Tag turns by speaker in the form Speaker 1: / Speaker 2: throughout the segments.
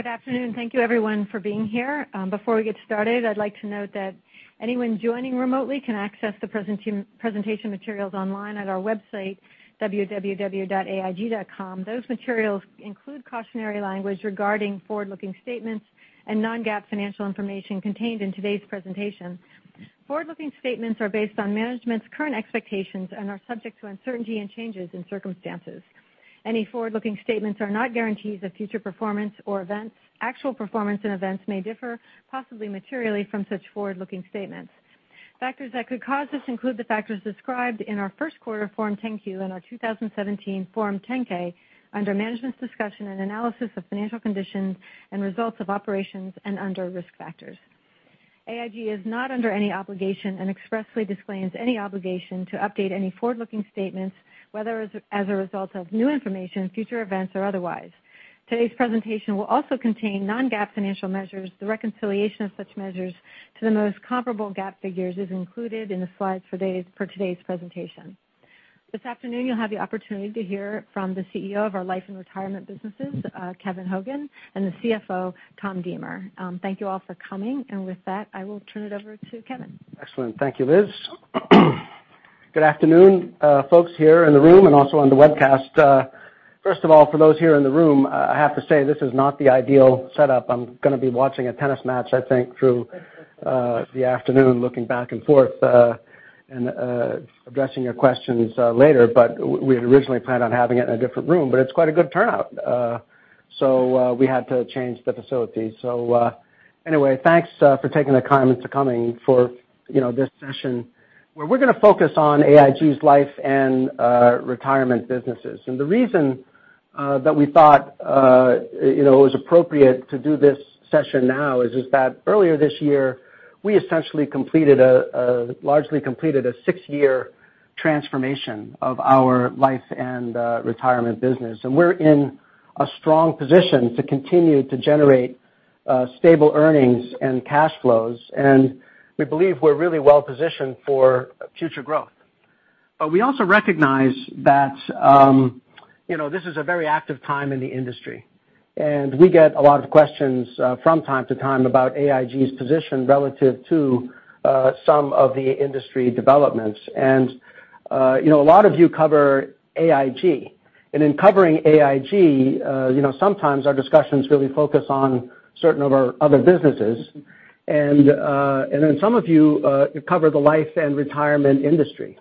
Speaker 1: Good afternoon. Thank you, everyone, for being here. Before we get started, I'd like to note that anyone joining remotely can access the presentation materials online at our website, www.aig.com. Those materials include cautionary language regarding forward-looking statements and non-GAAP financial information contained in today's presentation. Forward-looking statements are based on management's current expectations and are subject to uncertainty and changes in circumstances. Any forward-looking statements are not guarantees of future performance or events. Actual performance and events may differ, possibly materially, from such forward-looking statements. Factors that could cause this include the factors described in our first quarter Form 10-Q and our 2017 Form 10-K under Management's Discussion and Analysis of Financial Condition and Results of Operations and under Risk Factors. AIG is not under any obligation and expressly disclaims any obligation to update any forward-looking statements, whether as a result of new information, future events, or otherwise. Today's presentation will also contain non-GAAP financial measures. The reconciliation of such measures to the most comparable GAAP figures is included in the slides for today's presentation. This afternoon, you'll have the opportunity to hear from the CEO of our Life and Retirement businesses, Kevin Hogan, and the CFO, Tom Diemer. Thank you all for coming. With that, I will turn it over to Kevin.
Speaker 2: Excellent. Thank you, Liz. Good afternoon, folks here in the room and also on the webcast. First of all, for those here in the room, I have to say, this is not the ideal setup. I'm going to be watching a tennis match, I think, through the afternoon, looking back and forth, and addressing your questions later. We had originally planned on having it in a different room, but it's quite a good turnout, so we had to change the facility. Anyway, thanks for taking the time to coming for this session, where we're going to focus on AIG's Life and Retirement businesses. The reason that we thought it was appropriate to do this session now is just that earlier this year, we essentially largely completed a six-year transformation of our life and retirement business. We're in a strong position to continue to generate stable earnings and cash flows. We believe we're really well-positioned for future growth. We also recognize that this is a very active time in the industry, and we get a lot of questions from time to time about AIG's position relative to some of the industry developments. A lot of you cover AIG. In covering AIG, sometimes our discussions really focus on certain of our other businesses. Then some of you cover the life and retirement industry.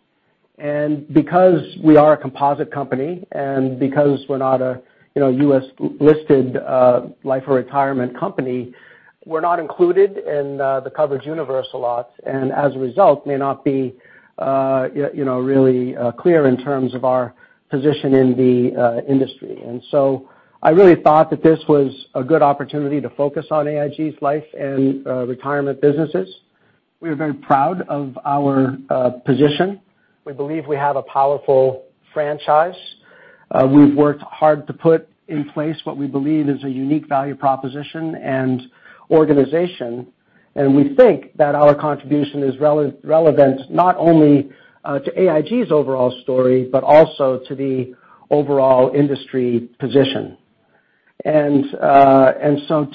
Speaker 2: Because we are a composite company and because we're not a U.S.-listed life or retirement company, we're not included in the coverage universe a lot and as a result, may not be really clear in terms of our position in the industry. I really thought that this was a good opportunity to focus on AIG's Life and Retirement businesses. We are very proud of our position. We believe we have a powerful franchise. We've worked hard to put in place what we believe is a unique value proposition and organization. We think that our contribution is relevant not only to AIG's overall story, but also to the overall industry position.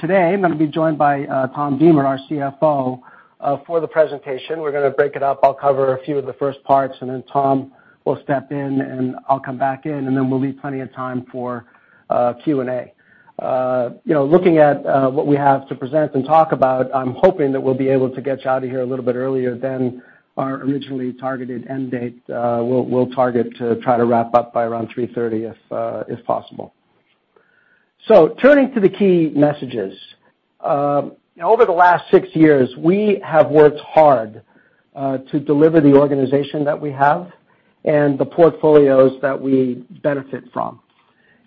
Speaker 2: Today, I'm going to be joined by Tom Diemer, our CFO, for the presentation. We're going to break it up. I'll cover a few of the first parts, and then Tom will step in, and I'll come back in, and then we'll leave plenty of time for Q&A. Looking at what we have to present and talk about, I'm hoping that we'll be able to get you out of here a little bit earlier than our originally targeted end date. We'll target to try to wrap up by around 3:30 P.M. if possible. Turning to the key messages. Over the last six years, we have worked hard to deliver the organization that we have and the portfolios that we benefit from.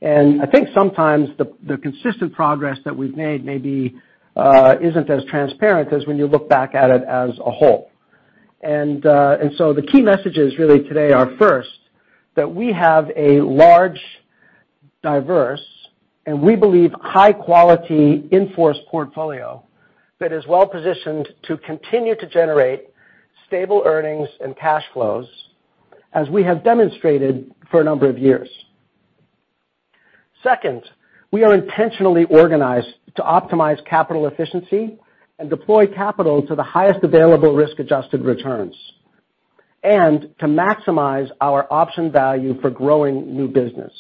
Speaker 2: I think sometimes the consistent progress that we've made maybe isn't as transparent as when you look back at it as a whole. The key messages really today are, first, that we have a large, diverse, and we believe high-quality in-force portfolio that is well-positioned to continue to generate stable earnings and cash flows as we have demonstrated for a number of years. Second, we are intentionally organized to optimize capital efficiency and deploy capital to the highest available risk-adjusted returns and to maximize our option value for growing new business.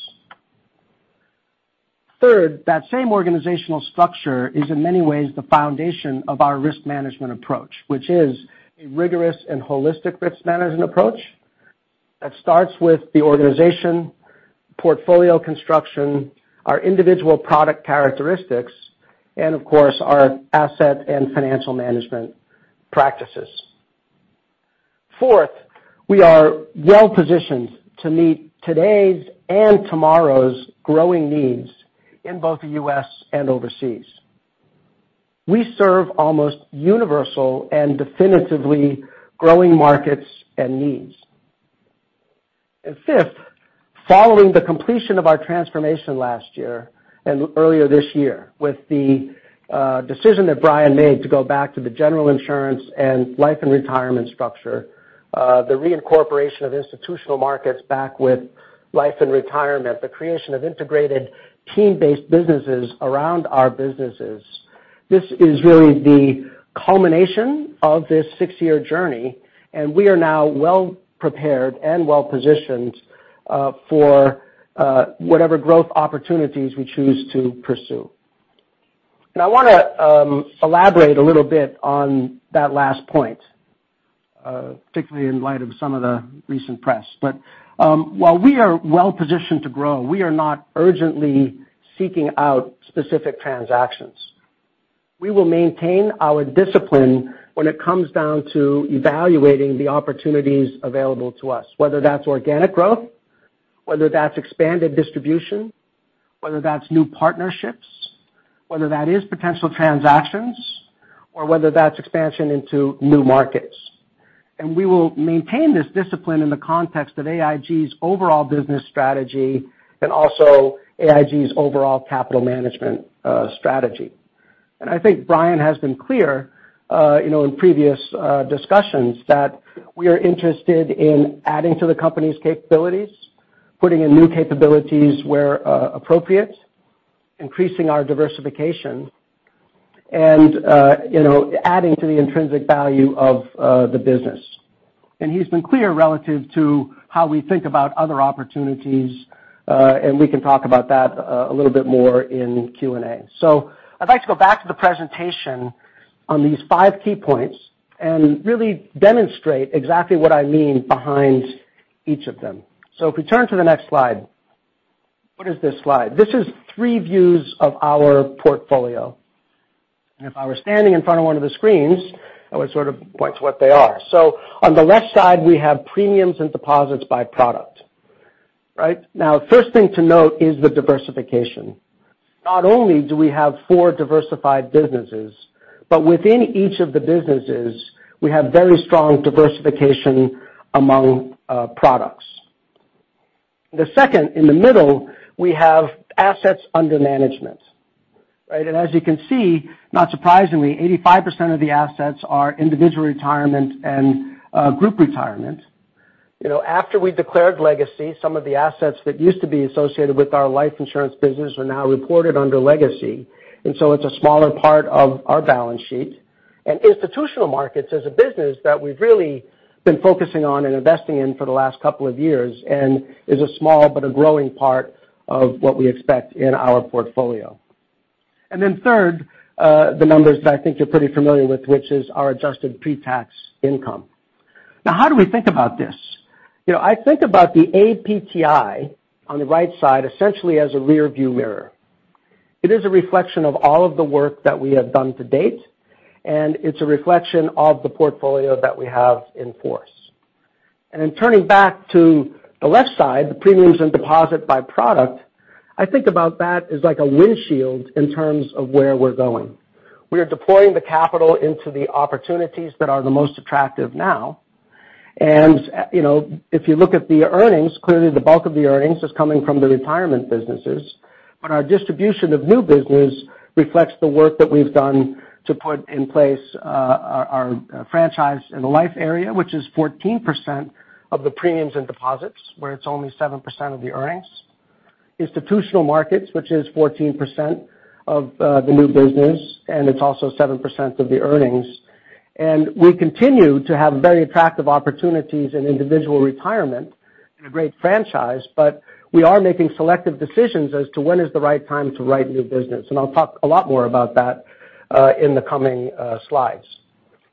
Speaker 2: Third, that same organizational structure is in many ways the foundation of our risk management approach, which is a rigorous and holistic risk management approach that starts with the organization, portfolio construction, our individual product characteristics, and of course, our asset and financial management practices. Fourth, we are well-positioned to meet today's and tomorrow's growing needs in both the U.S. and overseas. We serve almost universal and definitively growing markets and needs. Fifth, following the completion of our transformation last year and earlier this year with the decision that Brian made to go back to the General Insurance and Life and Retirement structure, the reincorporation of Institutional Markets back with Life and Retirement, the creation of integrated team-based businesses around our businesses. This is really the culmination of this six-year journey. We are now well prepared and well-positioned for whatever growth opportunities we choose to pursue. I want to elaborate a little bit on that last point, particularly in light of some of the recent press. While we are well-positioned to grow, we are not urgently seeking out specific transactions. We will maintain our discipline when it comes down to evaluating the opportunities available to us, whether that's organic growth, whether that's expanded distribution, whether that's new partnerships, whether that is potential transactions, or whether that's expansion into new markets. We will maintain this discipline in the context of AIG's overall business strategy and also AIG's overall capital management strategy. I think Brian has been clear in previous discussions that we are interested in adding to the company's capabilities, putting in new capabilities where appropriate, increasing our diversification, and adding to the intrinsic value of the business. He's been clear relative to how we think about other opportunities, and we can talk about that a little bit more in Q&A. I'd like to go back to the presentation on these five key points and really demonstrate exactly what I mean behind each of them. If we turn to the next slide. What is this slide? This is three views of our portfolio. If I were standing in front of one of the screens, I would sort of point to what they are. On the left side, we have premiums and deposits by product. Now, first thing to note is the diversification. Not only do we have four diversified businesses, but within each of the businesses, we have very strong diversification among products. The second in the middle, we have assets under management. As you can see, not surprisingly, 85% of the assets are Individual Retirement and Group Retirement. After we declared legacy, some of the assets that used to be associated with our life insurance business are now reported under legacy, it's a smaller part of our balance sheet. Institutional Markets is a business that we've really been focusing on and investing in for the last couple of years and is a small but a growing part of what we expect in our portfolio. Third, the numbers that I think you're pretty familiar with, which is our adjusted pre-tax income. Now, how do we think about this? I think about the APTI on the right side, essentially as a rearview mirror. It is a reflection of all of the work that we have done to date, and it's a reflection of the portfolio that we have in force. In turning back to the left side, the premiums and deposits by product, I think about that as like a windshield in terms of where we're going. We are deploying the capital into the opportunities that are the most attractive now. If you look at the earnings, clearly the bulk of the earnings is coming from the retirement businesses. Our distribution of new business reflects the work that we've done to put in place our franchise in the life area, which is 14% of the premiums and deposits, where it's only 7% of the earnings. Institutional Markets, which is 14% of the new business, and it's also 7% of the earnings. We continue to have very attractive opportunities in Individual Retirement and a great franchise. We are making selective decisions as to when is the right time to write new business. I'll talk a lot more about that in the coming slides.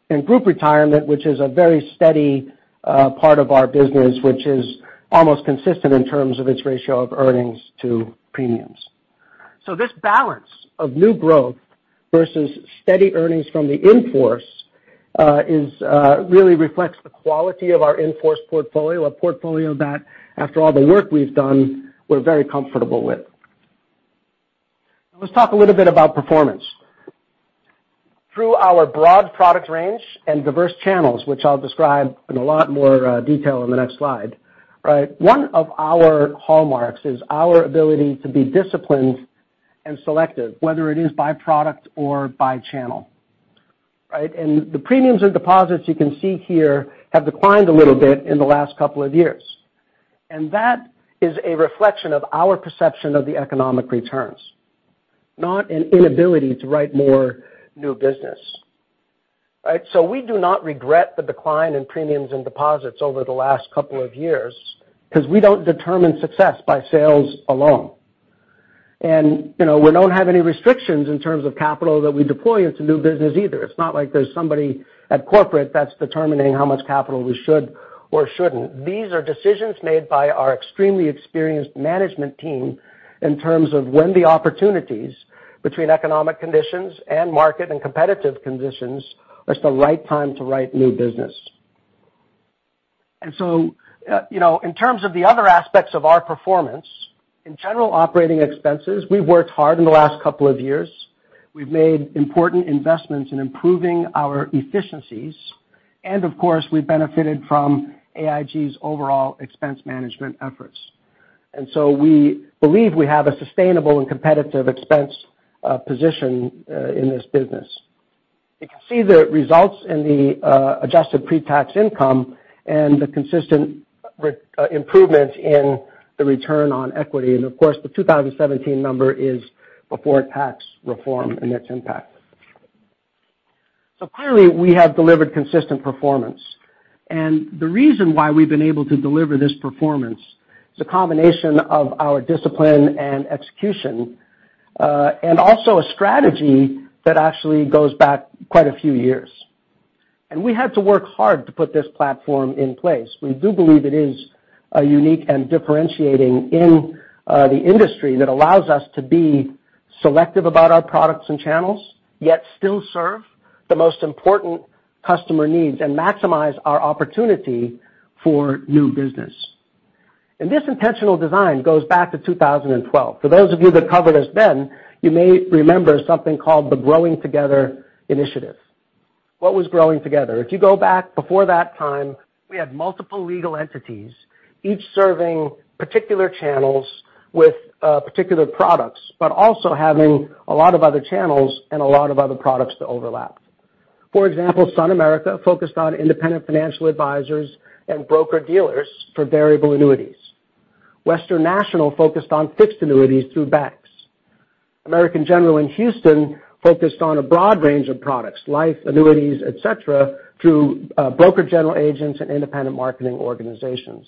Speaker 2: In Group Retirement, which is a very steady part of our business, which is almost consistent in terms of its ratio of earnings to premiums. this balance of new growth versus steady earnings from the in-force really reflects the quality of our in-force portfolio, a portfolio that, after all the work we've done, we're very comfortable with. Now let's talk a little bit about performance. Through our broad product range and diverse channels, which I'll describe in a lot more detail in the next slide. One of our hallmarks is our ability to be disciplined and selective, whether it is by product or by channel. The premiums and deposits you can see here have declined a little bit in the last couple of years. That is a reflection of our perception of the economic returns, not an inability to write more new business. We do not regret the decline in premiums and deposits over the last couple of years because we don't determine success by sales alone. we don't have any restrictions in terms of capital that we deploy into new business either. It's not like there's somebody at corporate that's determining how much capital we should or shouldn't. These are decisions made by our extremely experienced management team in terms of when the opportunities between economic conditions and market and competitive conditions is the right time to write new business. In terms of the other aspects of our performance, in general operating expenses, we've worked hard in the last couple of years. We've made important investments in improving our efficiencies. Of course, we've benefited from AIG's overall expense management efforts. We believe we have a sustainable and competitive expense position in this business. You can see the results in the adjusted pre-tax income and the consistent improvement in the return on equity. of course, the 2017 number is before tax reform and its impact. Clearly, we have delivered consistent performance. The reason why we've been able to deliver this performance is a combination of our discipline and execution, and also a strategy that actually goes back quite a few years. We had to work hard to put this platform in place. We do believe it is unique and differentiating in the industry that allows us to be selective about our products and channels, yet still serve the most important customer needs and maximize our opportunity for new business. This intentional design goes back to 2012. For those of you that covered us then, you may remember something called the Growing Together initiative. What was Growing Together? If you go back before that time, we had multiple legal entities, each serving particular channels with particular products, but also having a lot of other channels and a lot of other products to overlap. For example, SunAmerica focused on independent financial advisors and broker-dealers for variable annuities. Western National focused on fixed annuities through banks. American General in Houston focused on a broad range of products, life, annuities, et cetera, through broker general agents and independent marketing organizations.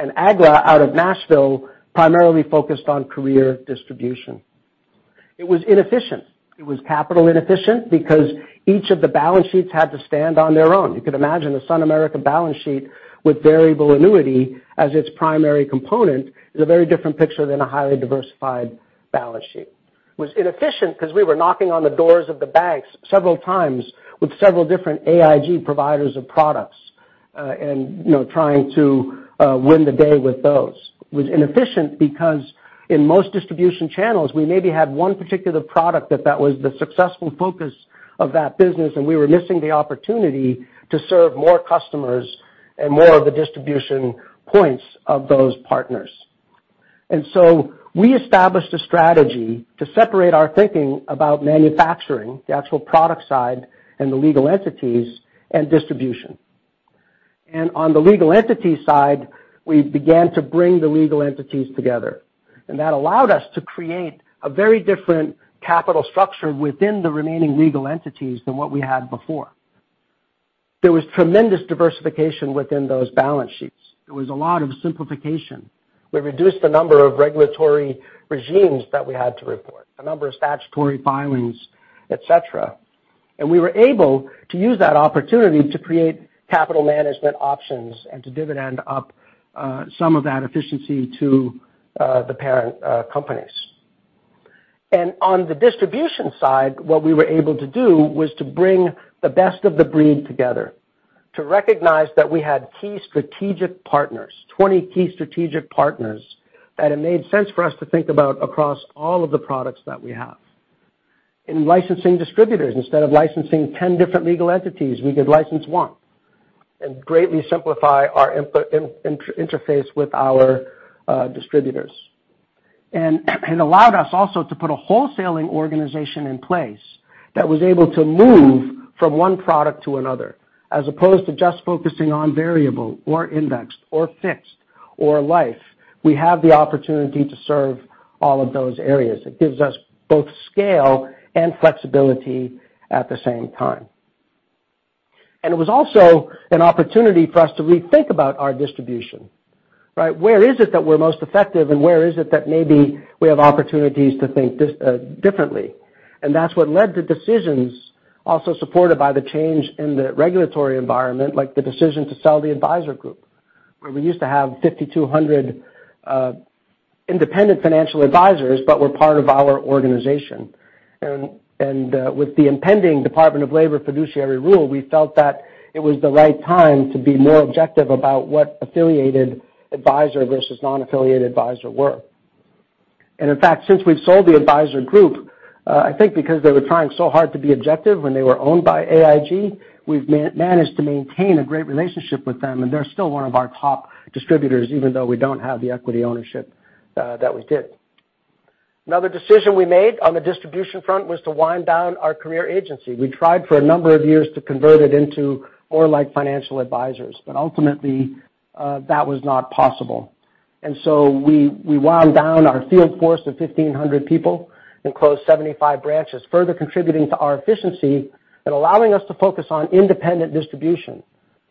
Speaker 2: AGWA out of Nashville primarily focused on career distribution. It was inefficient. It was capital inefficient because each of the balance sheets had to stand on their own. You could imagine a SunAmerica balance sheet with variable annuity as its primary component is a very different picture than a highly diversified balance sheet. It was inefficient because we were knocking on the doors of the banks several times with several different AIG providers of products, trying to win the day with those. It was inefficient because in most distribution channels, we maybe had one particular product that was the successful focus of that business, and we were missing the opportunity to serve more customers and more of the distribution points of those partners. So we established a strategy to separate our thinking about manufacturing, the actual product side and the legal entities, and distribution. On the legal entity side, we began to bring the legal entities together, and that allowed us to create a very different capital structure within the remaining legal entities than what we had before. There was tremendous diversification within those balance sheets. There was a lot of simplification. We reduced the number of regulatory regimes that we had to report, the number of statutory filings, et cetera. We were able to use that opportunity to create capital management options and to dividend up some of that efficiency to the parent companies. On the distribution side, what we were able to do was to bring the best of the breed together to recognize that we had key strategic partners, 20 key strategic partners, that it made sense for us to think about across all of the products that we have. In licensing distributors, instead of licensing 10 different legal entities, we could license one and greatly simplify our interface with our distributors. It allowed us also to put a wholesaling organization in place that was able to move from one product to another, as opposed to just focusing on variable or indexed or fixed or life. We have the opportunity to serve all of those areas. It gives us both scale and flexibility at the same time. It was also an opportunity for us to rethink about our distribution, right? Where is it that we're most effective, and where is it that maybe we have opportunities to think differently? That's what led to decisions also supported by the change in the regulatory environment, like the decision to sell the Advisor Group, where we used to have 5,200 independent financial advisors, but were part of our organization. With the impending Department of Labor fiduciary rule, we felt that it was the right time to be more objective about what affiliated advisor versus non-affiliated advisor were. In fact, since we've sold the Advisor Group, I think because they were trying so hard to be objective when they were owned by AIG, we've managed to maintain a great relationship with them, and they're still one of our top distributors, even though we don't have the equity ownership that we did. Another decision we made on the distribution front was to wind down our career agency. We tried for a number of years to convert it into more like financial advisors, but ultimately, that was not possible. So we wound down our field force of 1,500 people and closed 75 branches, further contributing to our efficiency and allowing us to focus on independent distribution,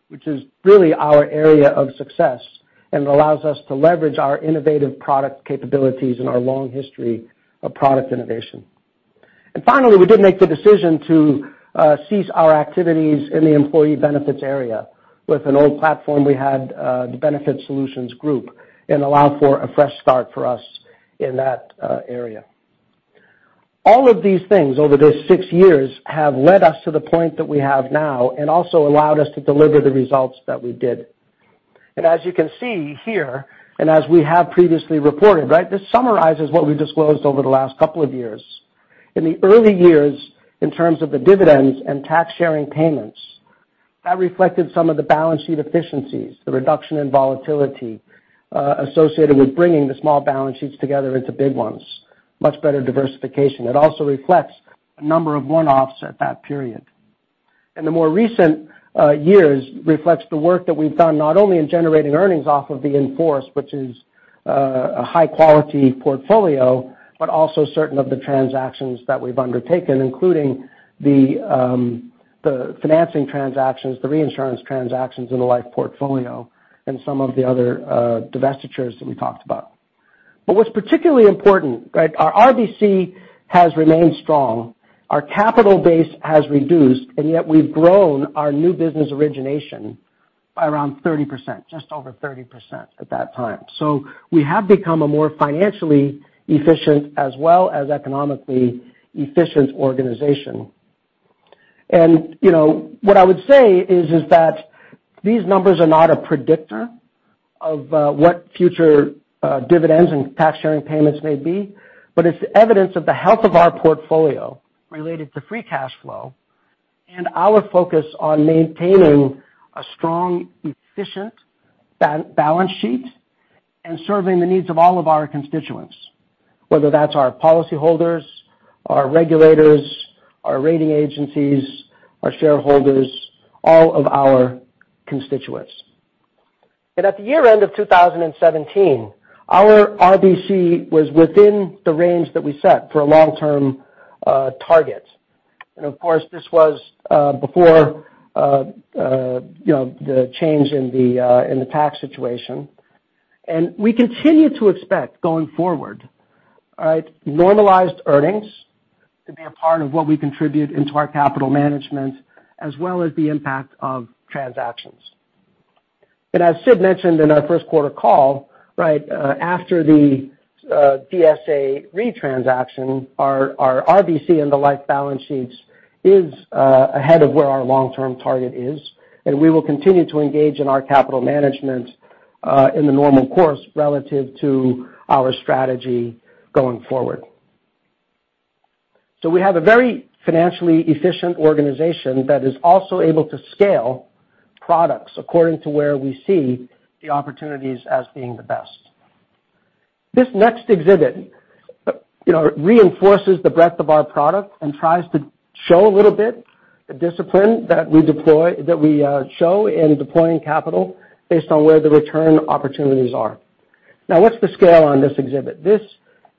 Speaker 2: which is really our area of success and allows us to leverage our innovative product capabilities and our long history of product innovation. Finally, we did make the decision to cease our activities in the employee benefits area with an old platform we had, the Benefit Solutions Group, and allow for a fresh start for us in that area. All of these things over these 6 years have led us to the point that we have now and also allowed us to deliver the results that we did. As you can see here, and as we have previously reported, right. This summarizes what we disclosed over the last couple of years. In the early years, in terms of the dividends and tax-sharing payments. That reflected some of the balance sheet efficiencies, the reduction in volatility, associated with bringing the small balance sheets together into big ones, much better diversification. It also reflects a number of one-offs at that period. In the more recent years reflects the work that we've done, not only in generating earnings off of the in-force, which is a high-quality portfolio, but also certain of the transactions that we've undertaken, including the financing transactions, the reinsurance transactions in the life portfolio, and some of the other divestitures that we talked about. What's particularly important, our RBC has remained strong. Our capital base has reduced, and yet we've grown our new business origination by around 30%, just over 30% at that time. We have become a more financially efficient as well as economically efficient organization. What I would say is that these numbers are not a predictor of what future dividends and tax-sharing payments may be, but it's evidence of the health of our portfolio related to free cash flow and our focus on maintaining a strong, efficient balance sheet and serving the needs of all of our constituents, whether that's our policyholders, our regulators, our rating agencies, our shareholders, all of our constituents. At the year-end of 2017, our RBC was within the range that we set for a long-term target. Of course, this was before the change in the tax situation. We continue to expect going forward, normalized earnings to be a part of what we contribute into our capital management, as well as the impact of transactions. As Sid mentioned in our first quarter call, after the DSA Re transaction, our RBC and the life balance sheets is ahead of where our long-term target is, and we will continue to engage in our capital management, in the normal course relative to our strategy going forward. We have a very financially efficient organization that is also able to scale products according to where we see the opportunities as being the best. This next exhibit reinforces the breadth of our product and tries to show a little bit the discipline that we show in deploying capital based on where the return opportunities are. What's the scale on this exhibit? This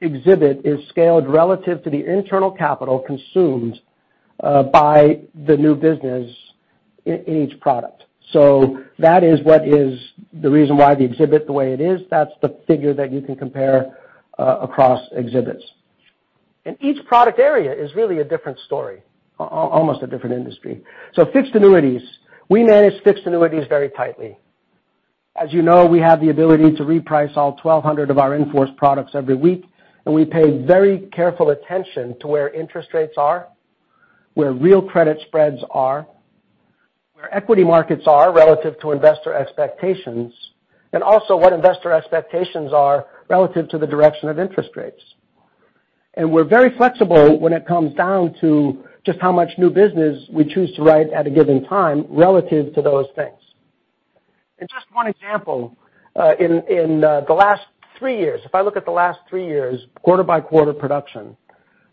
Speaker 2: exhibit is scaled relative to the internal capital consumed by the new business in each product. That is what is the reason why the exhibit the way it is. That's the figure that you can compare across exhibits. Each product area is really a different story, almost a different industry. Fixed annuities. We manage fixed annuities very tightly. As you know, we have the ability to reprice all 1,200 of our in-force products every week, we pay very careful attention to where interest rates are, where real credit spreads are, where equity markets are relative to investor expectations, and also what investor expectations are relative to the direction of interest rates. We're very flexible when it comes down to just how much new business we choose to write at a given time relative to those things. Just one example, in the last three years, if I look at the last three years, quarter by quarter production,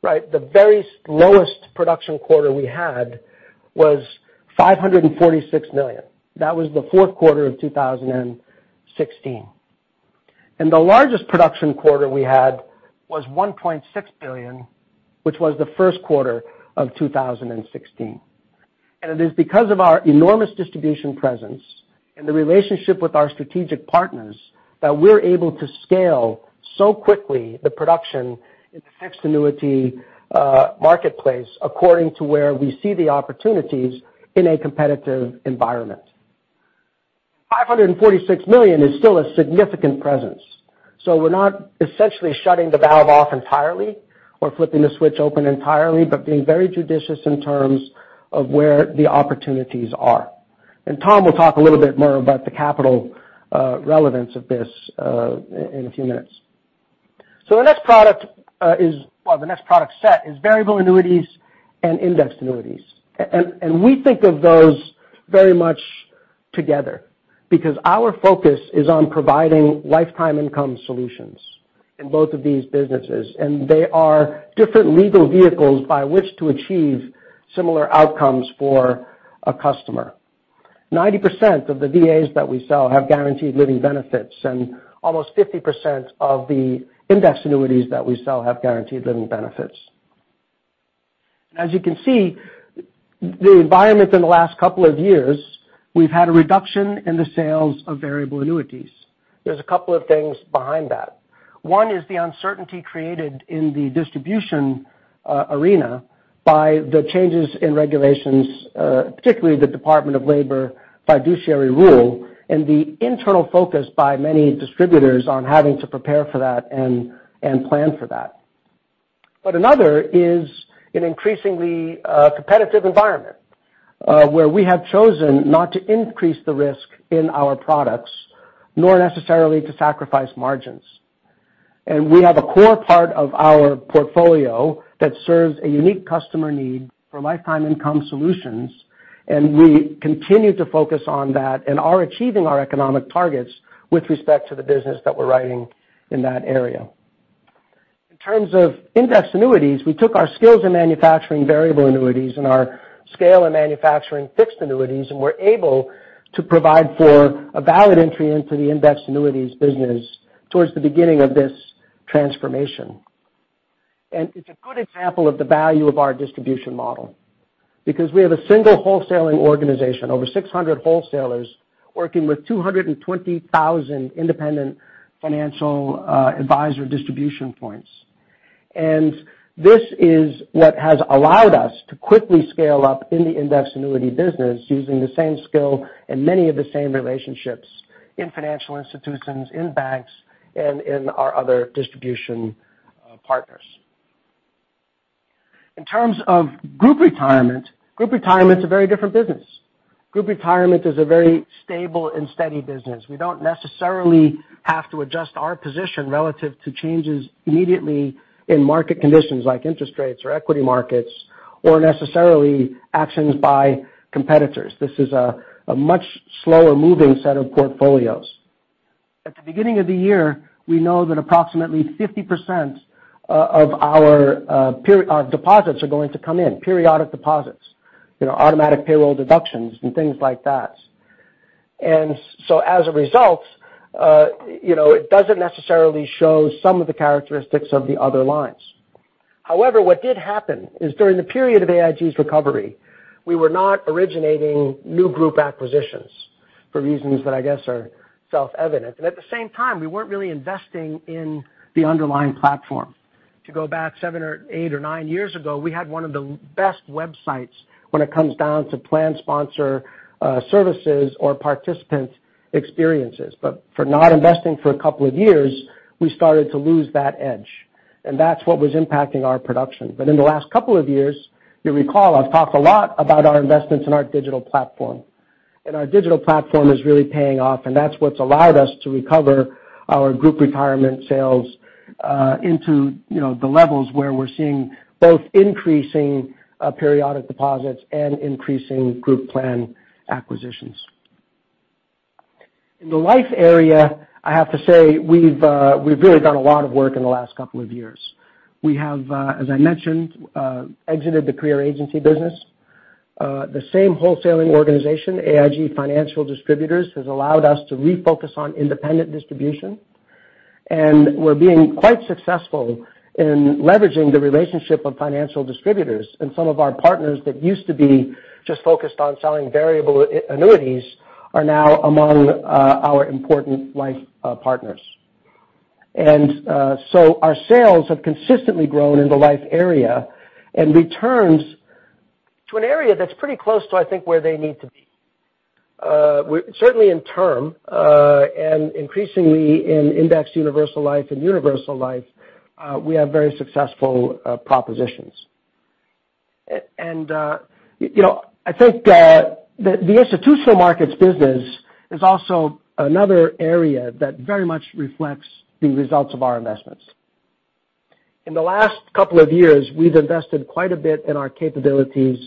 Speaker 2: the very lowest production quarter we had was $546 million. That was the fourth quarter of 2016. The largest production quarter we had was $1.6 billion, which was the first quarter of 2016. It is because of our enormous distribution presence and the relationship with our strategic partners that we're able to scale so quickly the production in the fixed annuity marketplace according to where we see the opportunities in a competitive environment. $546 million is still a significant presence. We're not essentially shutting the valve off entirely or flipping the switch open entirely, but being very judicious in terms of where the opportunities are. Tom will talk a little bit more about the capital relevance of this in a few minutes. The next product set is variable annuities and indexed annuities. We think of those very much together because our focus is on providing lifetime income solutions in both of these businesses, and they are different legal vehicles by which to achieve similar outcomes for a customer. 90% of the VAs that we sell have guaranteed living benefits, and almost 50% of the indexed annuities that we sell have guaranteed living benefits. As you can see, the environment in the last couple of years, we've had a reduction in the sales of variable annuities. There's a couple of things behind that. One is the uncertainty created in the distribution arena by the changes in regulations, particularly the Department of Labor fiduciary rule, and the internal focus by many distributors on having to prepare for that and plan for that. Another is an increasingly competitive environment, where we have chosen not to increase the risk in our products, nor necessarily to sacrifice margins. We have a core part of our portfolio that serves a unique customer need for lifetime income solutions, and we continue to focus on that and are achieving our economic targets with respect to the business that we're writing in that area. In terms of indexed annuities, we took our skills in manufacturing variable annuities and our scale in manufacturing fixed annuities, and we're able to provide for a valid entry into the indexed annuities business towards the beginning of this transformation. It's a good example of the value of our distribution model, because we have a single wholesaling organization, over 600 wholesalers working with 220,000 independent financial advisor distribution points. This is what has allowed us to quickly scale up in the indexed annuity business using the same skill and many of the same relationships in financial institutions, in banks, and in our other distribution partners. In terms of Group Retirement, Group Retirement is a very different business. Group Retirement is a very stable and steady business. We don't necessarily have to adjust our position relative to changes immediately in market conditions like interest rates or equity markets, or necessarily actions by competitors. This is a much slower moving set of portfolios. At the beginning of the year, we know that approximately 50% of our deposits are going to come in, periodic deposits, automatic payroll deductions and things like that. As a result, it doesn't necessarily show some of the characteristics of the other lines. However, what did happen is during the period of AIG's recovery, we were not originating new Group acquisitions for reasons that I guess are self-evident. At the same time, we weren't really investing in the underlying platform. To go back seven or eight or nine years ago, we had one of the best websites when it comes down to plan sponsor services or participant experiences. For not investing for a couple of years, we started to lose that edge. That's what was impacting our production. In the last couple of years, you'll recall, I've talked a lot about our investments in our digital platform. Our digital platform is really paying off, and that's what's allowed us to recover our Group Retirement sales into the levels where we're seeing both increasing periodic deposits and increasing group plan acquisitions. In the life area, I have to say, we've really done a lot of work in the last couple of years. We have, as I mentioned, exited the career agency business. The same wholesaling organization, AIG Financial Distributors, has allowed us to refocus on independent distribution, and we're being quite successful in leveraging the relationship of financial distributors. Some of our partners that used to be just focused on selling variable annuities are now among our important life partners. Our sales have consistently grown in the life area and returns to an area that's pretty close to, I think, where they need to be. Certainly in term, and increasingly in indexed universal life and universal life, we have very successful propositions. I think the Institutional Markets business is also another area that very much reflects the results of our investments. In the last couple of years, we've invested quite a bit in our capabilities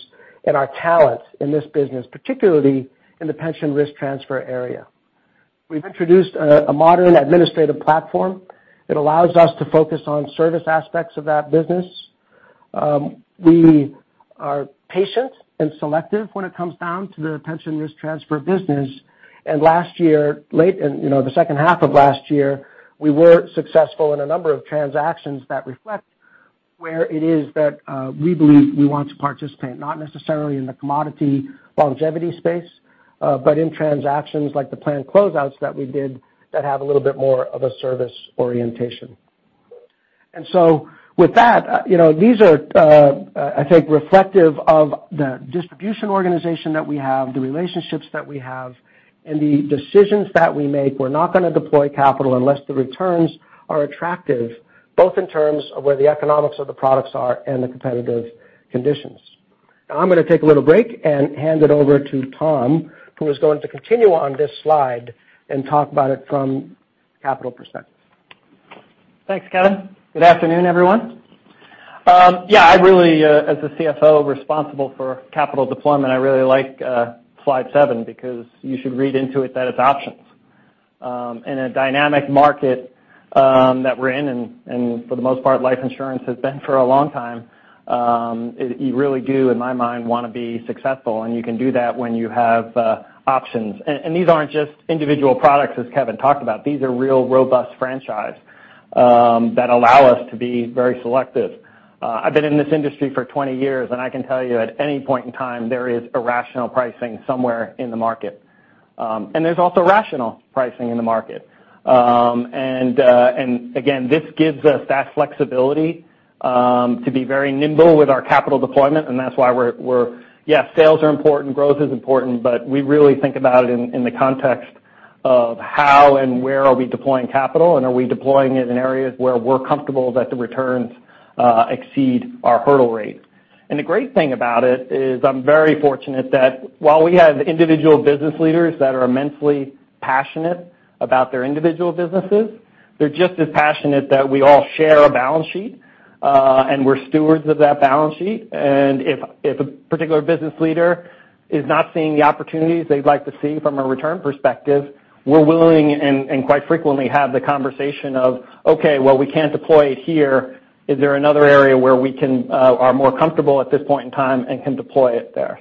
Speaker 2: and our talent in this business, particularly in the pension risk transfer area. We've introduced a modern administrative platform. It allows us to focus on service aspects of that business. We are patient and selective when it comes down to the pension risk transfer business. Last year, the second half of last year, we were successful in a number of transactions that reflect where it is that we believe we want to participate, not necessarily in the commodity longevity space, but in transactions like the plan closeouts that we did that have a little bit more of a service orientation. With that, these are, I think, reflective of the distribution organization that we have, the relationships that we have, and the decisions that we make. We're not going to deploy capital unless the returns are attractive, both in terms of where the economics of the products are and the competitive conditions. Now I'm going to take a little break and hand it over to Tom, who is going to continue on this slide and talk about it from capital perspective.
Speaker 3: Thanks, Kevin. Good afternoon, everyone. I really, as the CFO responsible for capital deployment, I really like slide seven because you should read into it that it's options. In a dynamic market that we're in, and for the most part, life insurance has been for a long time, you really do, in my mind, want to be successful, and you can do that when you have options. These aren't just individual products, as Kevin talked about. These are real robust franchise that allow us to be very selective. I've been in this industry for 20 years, and I can tell you at any point in time, there is irrational pricing somewhere in the market. There's also rational pricing in the market. Again, this gives us that flexibility to be very nimble with our capital deployment, and that's why yes, sales are important, growth is important, but we really think about it in the context of how and where are we deploying capital, and are we deploying it in areas where we're comfortable that the returns exceed our hurdle rate? The great thing about it is I'm very fortunate that while we have individual business leaders that are immensely passionate about their individual businesses, they're just as passionate that we all share a balance sheet, and we're stewards of that balance sheet. If a particular business leader is not seeing the opportunities they'd like to see from a return perspective, we're willing and quite frequently have the conversation of, okay, well, we can't deploy it here. Is there another area where we are more comfortable at this point in time and can deploy it there?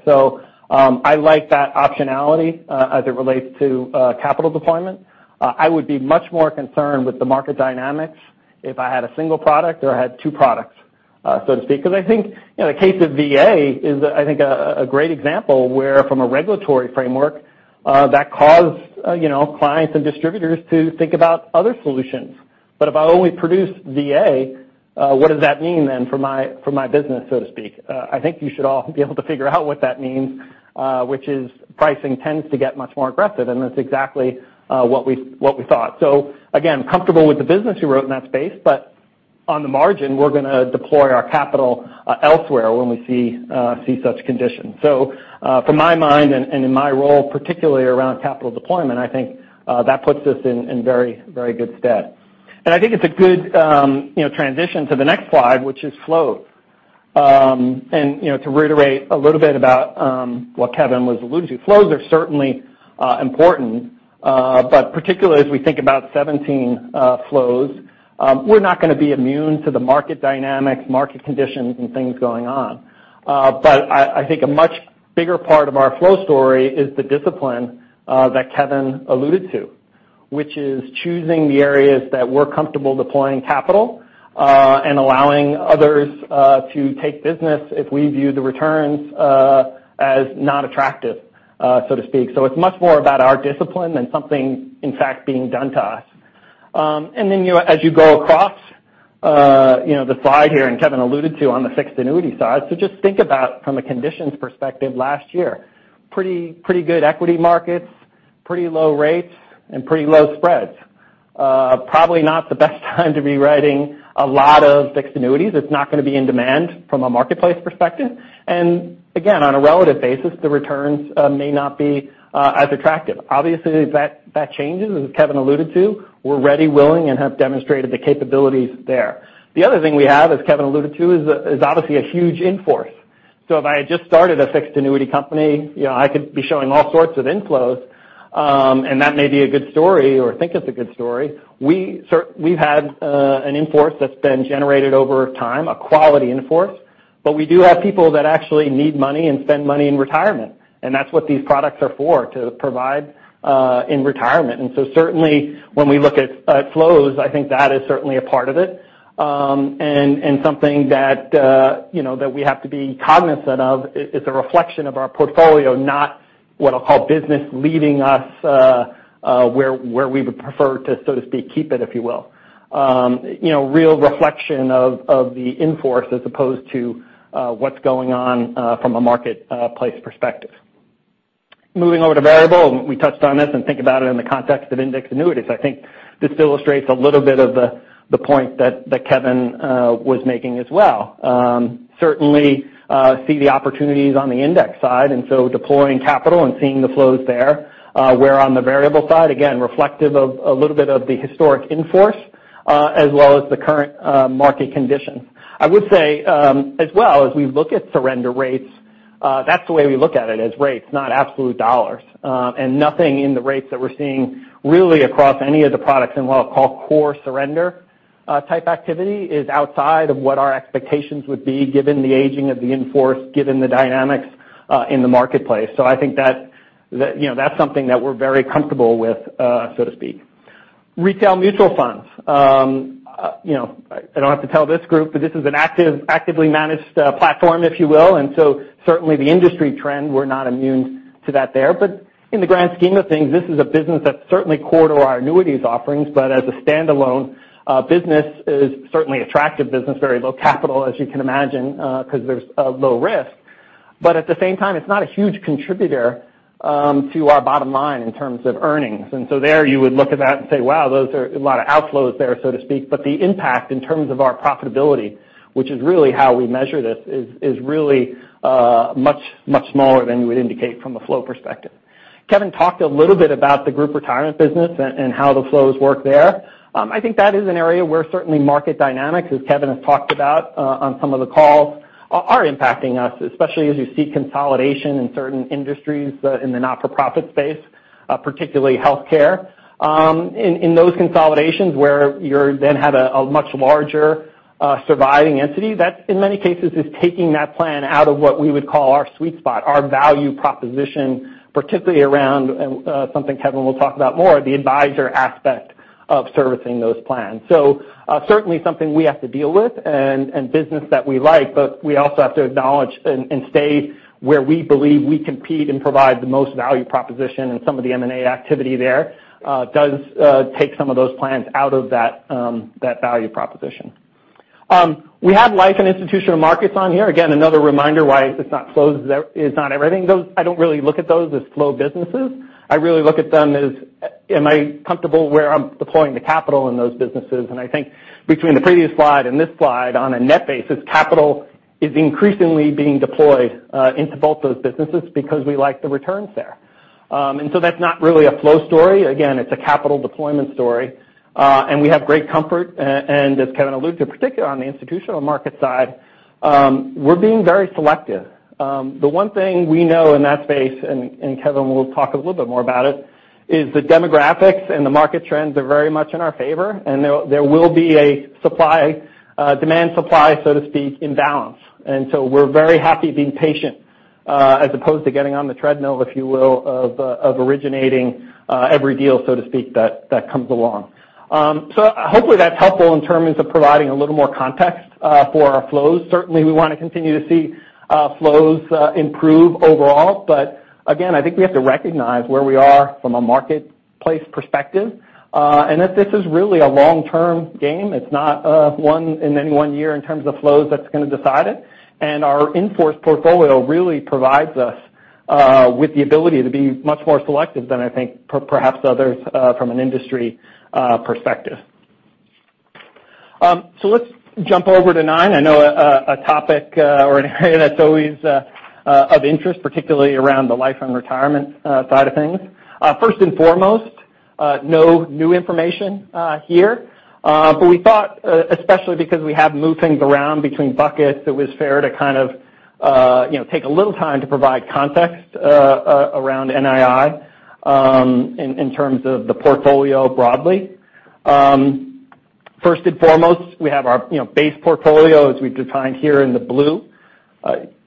Speaker 3: I like that optionality, as it relates to capital deployment. I would be much more concerned with the market dynamics if I had a single product or I had two products, so to speak, because I think the case of VA is, I think, a great example where from a regulatory framework that caused clients and distributors to think about other solutions. If I only produce VA, what does that mean then for my business, so to speak? I think you should all be able to figure out what that means, which is pricing tends to get much more aggressive, and that's exactly what we thought. Comfortable with the business we wrote in that space, but on the margin, we're going to deploy our capital elsewhere when we see such conditions. For my mind and in my role, particularly around capital deployment, I think that puts us in very good stead. I think it's a good transition to the next slide, which is flows. To reiterate a little bit about what Kevin was alluding to, flows are certainly important, but particularly as we think about 2017 flows, we're not going to be immune to the market dynamics, market conditions, and things going on. I think a much bigger part of our flow story is the discipline that Kevin alluded to, which is choosing the areas that we're comfortable deploying capital, and allowing others to take business if we view the returns as not attractive, so to speak. It's much more about our discipline than something, in fact, being done to us. As you go across the slide here, and Kevin alluded to on the fixed annuity side. Just think about from a conditions perspective last year. Pretty good equity markets, pretty low rates, and pretty low spreads. Probably not the best time to be writing a lot of fixed annuities. It's not going to be in demand from a marketplace perspective. Again, on a relative basis, the returns may not be as attractive. Obviously, if that changes, as Kevin alluded to, we're ready, willing, and have demonstrated the capabilities there. The other thing we have, as Kevin alluded to, is obviously a huge in-force. If I had just started a fixed annuity company, I could be showing all sorts of inflows, and that may be a good story or think it's a good story. We've had an in-force that's been generated over time, a quality in-force, but we do have people that actually need money and spend money in retirement, and that's what these products are for, to provide in retirement. Certainly, when we look at flows, I think that is certainly a part of it, and something that we have to be cognizant of. It's a reflection of our portfolio, not what I'll call business leading us, where we would prefer to, so to speak, keep it, if you will. Real reflection of the in-force as opposed to what's going on from a marketplace perspective. Moving over to variable, and we touched on this and think about it in the context of index annuities. I think this illustrates a little bit of the point that Kevin was making as well. Certainly see the opportunities on the index side, and so deploying capital and seeing the flows there. Where on the variable side, again, reflective a little of the historic in-force, as well as the current market condition. I would say as well, as we look at surrender rates, that's the way we look at it, as rates, not absolute dollars. Nothing in the rates that we're seeing really across any of the products in what I'll call core surrender type activity is outside of what our expectations would be given the aging of the in-force, given the dynamics in the marketplace. I think that's something that we're very comfortable with, so to speak. Retail mutual funds. I don't have to tell this group, but this is an actively managed platform, if you will. Certainly the industry trend, we're not immune to that there. In the grand scheme of things, this is a business that's certainly core to our annuities offerings. As a standalone business is certainly attractive business, very low capital, as you can imagine, because there's a low risk. At the same time, it's not a huge contributor to our bottom line in terms of earnings. There you would look at that and say, wow, those are a lot of outflows there, so to speak. The impact in terms of our profitability, which is really how we measure this, is really much smaller than you would indicate from a flow perspective. Kevin talked a little bit about the group retirement business and how the flows work there. I think that is an area where certainly market dynamics, as Kevin has talked about on some of the calls, are impacting us, especially as you see consolidation in certain industries in the not-for-profit space, particularly healthcare. In those consolidations where you then have a much larger surviving entity, that in many cases is taking that plan out of what we would call our sweet spot, our value proposition, particularly around something Kevin will talk about more, the advisor aspect of servicing those plans. Certainly something we have to deal with and business that we like, but we also have to acknowledge and stay where we believe we compete and provide the most value proposition and some of the M&A activity there does take some of those plans out of that value proposition. We have Life and Institutional Markets on here. Again, another reminder why it's not flows is not everything. I don't really look at those as flow businesses. I really look at them as Am I comfortable where I'm deploying the capital in those businesses? I think between the previous slide and this slide, on a net basis, capital is increasingly being deployed into both those businesses because we like the returns there. That's not really a flow story. Again, it's a capital deployment story. We have great comfort, and as Kevin alluded to, particularly on the Institutional Markets side, we're being very selective. The one thing we know in that space, and Kevin will talk a little bit more about it, is the demographics and the market trends are very much in our favor. There will be a demand supply, so to speak, imbalance. We're very happy being patient as opposed to getting on the treadmill, if you will, of originating every deal, so to speak, that comes along. Hopefully that's helpful in terms of providing a little more context for our flows. Certainly, we want to continue to see flows improve overall. Again, I think we have to recognize where we are from a marketplace perspective. That this is really a long-term game. It's not one in any one year in terms of flows that's going to decide it. Our in-force portfolio really provides us with the ability to be much more selective than I think perhaps others from an industry perspective. Let's jump over to nine. I know a topic or an area that's always of interest, particularly around the Life and Retirement side of things. First and foremost, no new information here. We thought, especially because we have moved things around between buckets, it was fair to take a little time to provide context around NII in terms of the portfolio broadly. First and foremost, we have our base portfolio as we've defined here in the blue.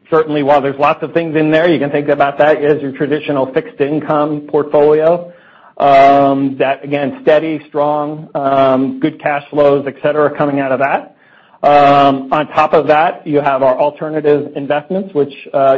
Speaker 3: Certainly, while there's lots of things in there, you can think about that as your traditional fixed income portfolio. That, again, steady, strong, good cash flows, et cetera, coming out of that. On top of that, you have our alternative investments, which,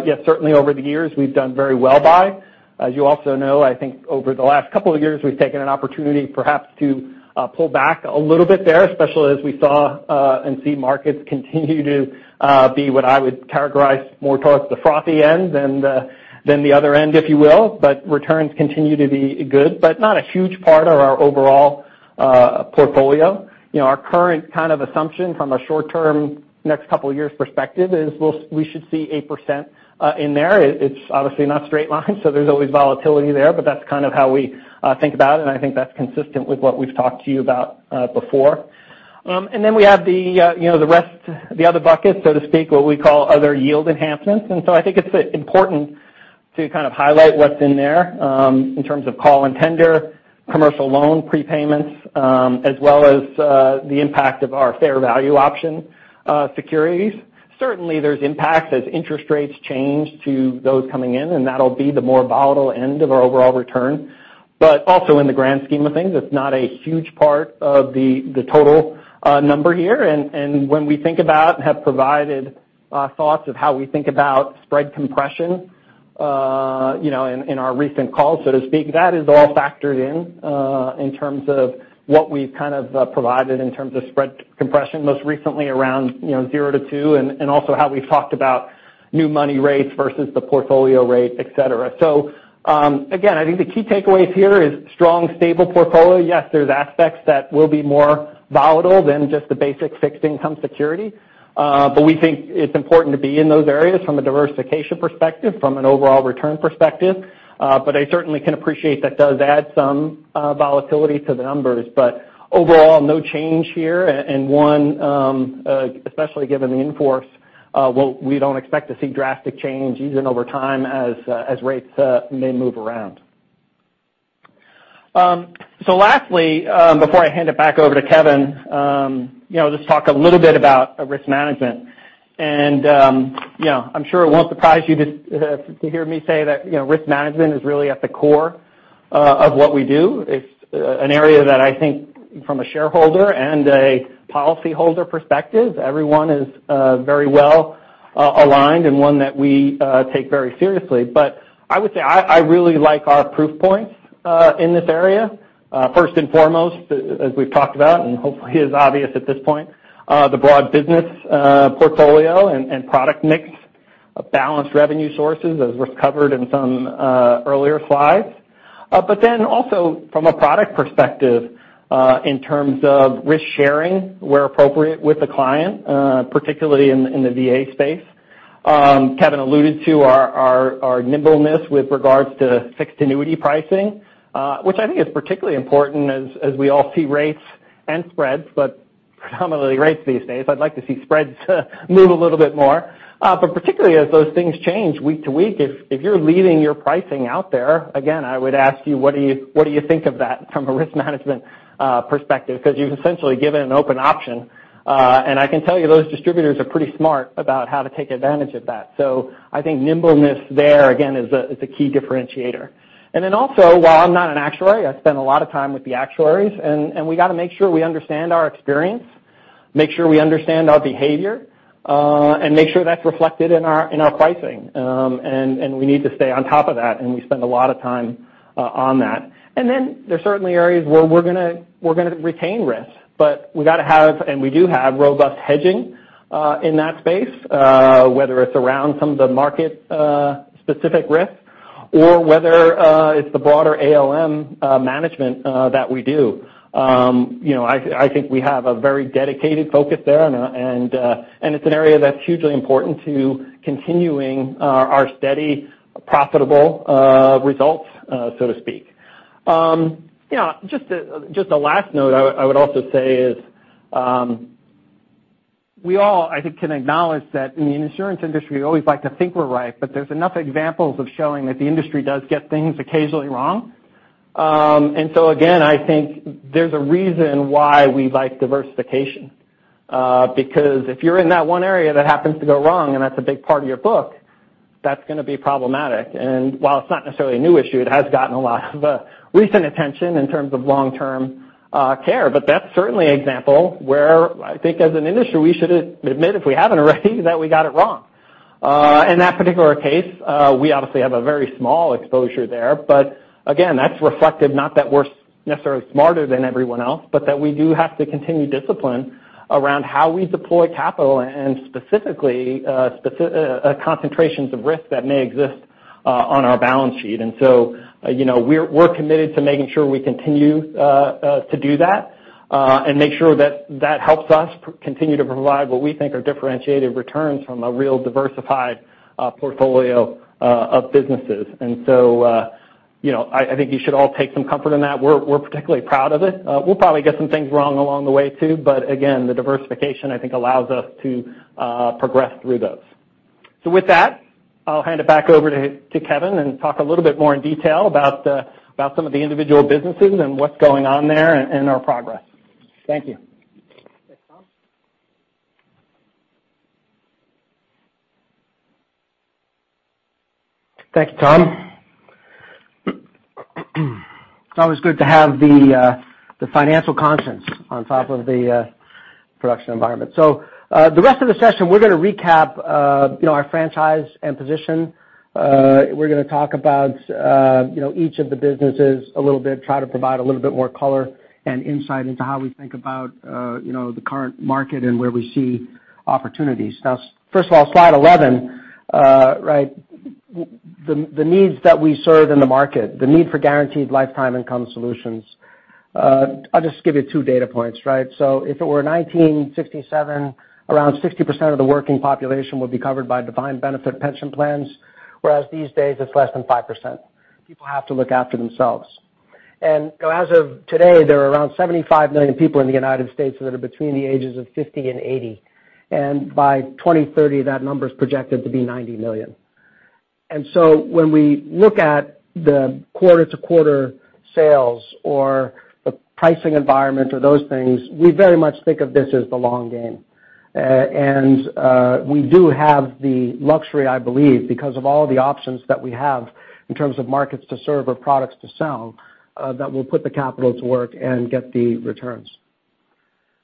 Speaker 3: yes, certainly over the years, we've done very well by. As you also know, I think over the last couple of years, we've taken an opportunity perhaps to pull back a little bit there, especially as we saw and see markets continue to be what I would characterize more towards the frothy end than the other end, if you will. Returns continue to be good, but not a huge part of our overall portfolio. Our current assumption from a short-term next 2 years perspective is we should see 8% in there. It's obviously not straight line, so there's always volatility there, but that's how we think about it. I think that's consistent with what we've talked to you about before. We have the other bucket, so to speak, what we call other yield enhancements. I think it's important to highlight what's in there in terms of call and tender, commercial loan prepayments, as well as the impact of our fair value option securities. Certainly, there's impact as interest rates change to those coming in, and that'll be the more volatile end of our overall return. Also in the grand scheme of things, it's not a huge part of the total number here. When we think about and have provided thoughts of how we think about spread compression in our recent call, so to speak, that is all factored in terms of what we've provided in terms of spread compression, most recently around 0-2, and also how we've talked about new money rates versus the portfolio rate, et cetera. Again, I think the key takeaways here is strong, stable portfolio. Yes, there's aspects that will be more volatile than just the basic fixed income security. We think it's important to be in those areas from a diversification perspective, from an overall return perspective. I certainly can appreciate that does add some volatility to the numbers. Overall, no change here. One, especially given the in-force, we don't expect to see drastic change even over time as rates may move around. Lastly, before I hand it back over to Kevin, just talk a little bit about risk management. I'm sure it won't surprise you to hear me say that risk management is really at the core of what we do. It's an area that I think from a shareholder and a policyholder perspective, everyone is very well aligned and one that we take very seriously. I would say I really like our proof points in this area. First and foremost, as we've talked about, and hopefully is obvious at this point, the broad business portfolio and product mix, balanced revenue sources as was covered in some earlier slides. Also from a product perspective in terms of risk sharing where appropriate with the client, particularly in the VA space. Kevin alluded to our nimbleness with regards to fixed annuity pricing which I think is particularly important as we all see rates and spreads, but predominantly rates these days. I'd like to see spreads move a little bit more. Particularly as those things change week to week, if you're leaving your pricing out there, again, I would ask you, what do you think of that from a risk management perspective? Because you've essentially given an open option. I can tell you those distributors are pretty smart about how to take advantage of that. I think nimbleness there, again, is a key differentiator. Also, while I'm not an actuary, I spend a lot of time with the actuaries, and we got to make sure we understand our experience, make sure we understand our behavior, and make sure that's reflected in our pricing. We need to stay on top of that, and we spend a lot of time on that. There's certainly areas where we're going to retain risk, but we got to have, and we do have robust hedging in that space, whether it's around some of the market specific risks or whether it's the broader ALM management that we do. I think we have a very dedicated focus there, and it's an area that's hugely important to continuing our steady profitable results, so to speak. Just a last note I would also say is, we all, I think, can acknowledge that in the insurance industry, we always like to think we're right, but there's enough examples of showing that the industry does get things occasionally wrong. Again, I think there's a reason why we like diversification. Because if you're in that one area that happens to go wrong, and that's a big part of your book, that's going to be problematic. While it's not necessarily a new issue, it has gotten a lot of recent attention in terms of long-term care. That's certainly an example where I think as an industry, we should admit, if we haven't already, that we got it wrong. In that particular case, we obviously have a very small exposure there. Again, that's reflective, not that we're necessarily smarter than everyone else, but that we do have to continue discipline around how we deploy capital and specifically, concentrations of risk that may exist on our balance sheet. We're committed to making sure we continue to do that, and make sure that helps us continue to provide what we think are differentiated returns from a real diversified portfolio of businesses. I think you should all take some comfort in that. We're particularly proud of it. We'll probably get some things wrong along the way, too. Again, the diversification, I think, allows us to progress through those. With that, I'll hand it back over to Kevin and talk a little bit more in detail about some of the individual businesses and what's going on there and our progress. Thank you.
Speaker 2: Thanks, Tom. It's always good to have the financial constraints on top of the production environment. The rest of the session, we're going to recap our franchise and position. We're going to talk about each of the businesses a little bit, try to provide a little bit more color and insight into how we think about the current market and where we see opportunities. First of all, slide 11. The needs that we serve in the market, the need for guaranteed lifetime income solutions. I'll just give you two data points. If it were 1967, around 60% of the working population would be covered by defined benefit pension plans, whereas these days it's less than 5%. People have to look after themselves. As of today, there are around 75 million people in the U.S. that are between the ages of 50 and 80. By 2030, that number is projected to be 90 million. When we look at the quarter-to-quarter sales or the pricing environment or those things, we very much think of this as the long game. We do have the luxury, I believe, because of all the options that we have in terms of markets to serve or products to sell, that will put the capital to work and get the returns.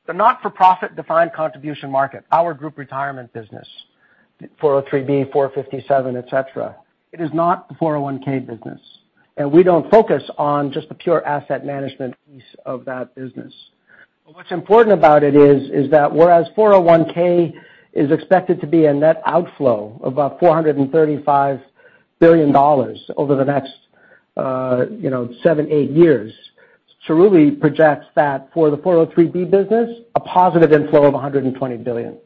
Speaker 2: The not-for-profit defined contribution market, our group retirement business, 403(b), 457(b), et cetera. It is not the 401(k) business, and we don't focus on just the pure asset management piece of that business. What's important about it is that whereas 401(k) is expected to be a net outflow of about $435 billion over the next seven, eight years, Cerulli projects that for the 403(b) business, a positive inflow of $120 billion.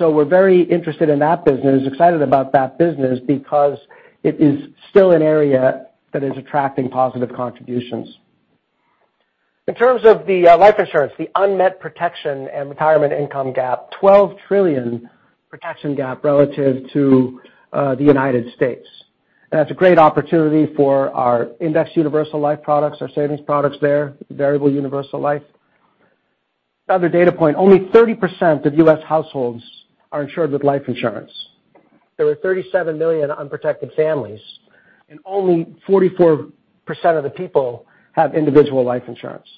Speaker 2: We're very interested in that business, excited about that business because it is still an area that is attracting positive contributions. In terms of the life insurance, the unmet protection and retirement income gap, $12 trillion protection gap relative to the U.S. That's a great opportunity for our indexed universal life products, our savings products there, variable universal life. Another data point, only 30% of U.S. households are insured with life insurance. There are 37 million unprotected families, and only 44% of the people have individual life insurance.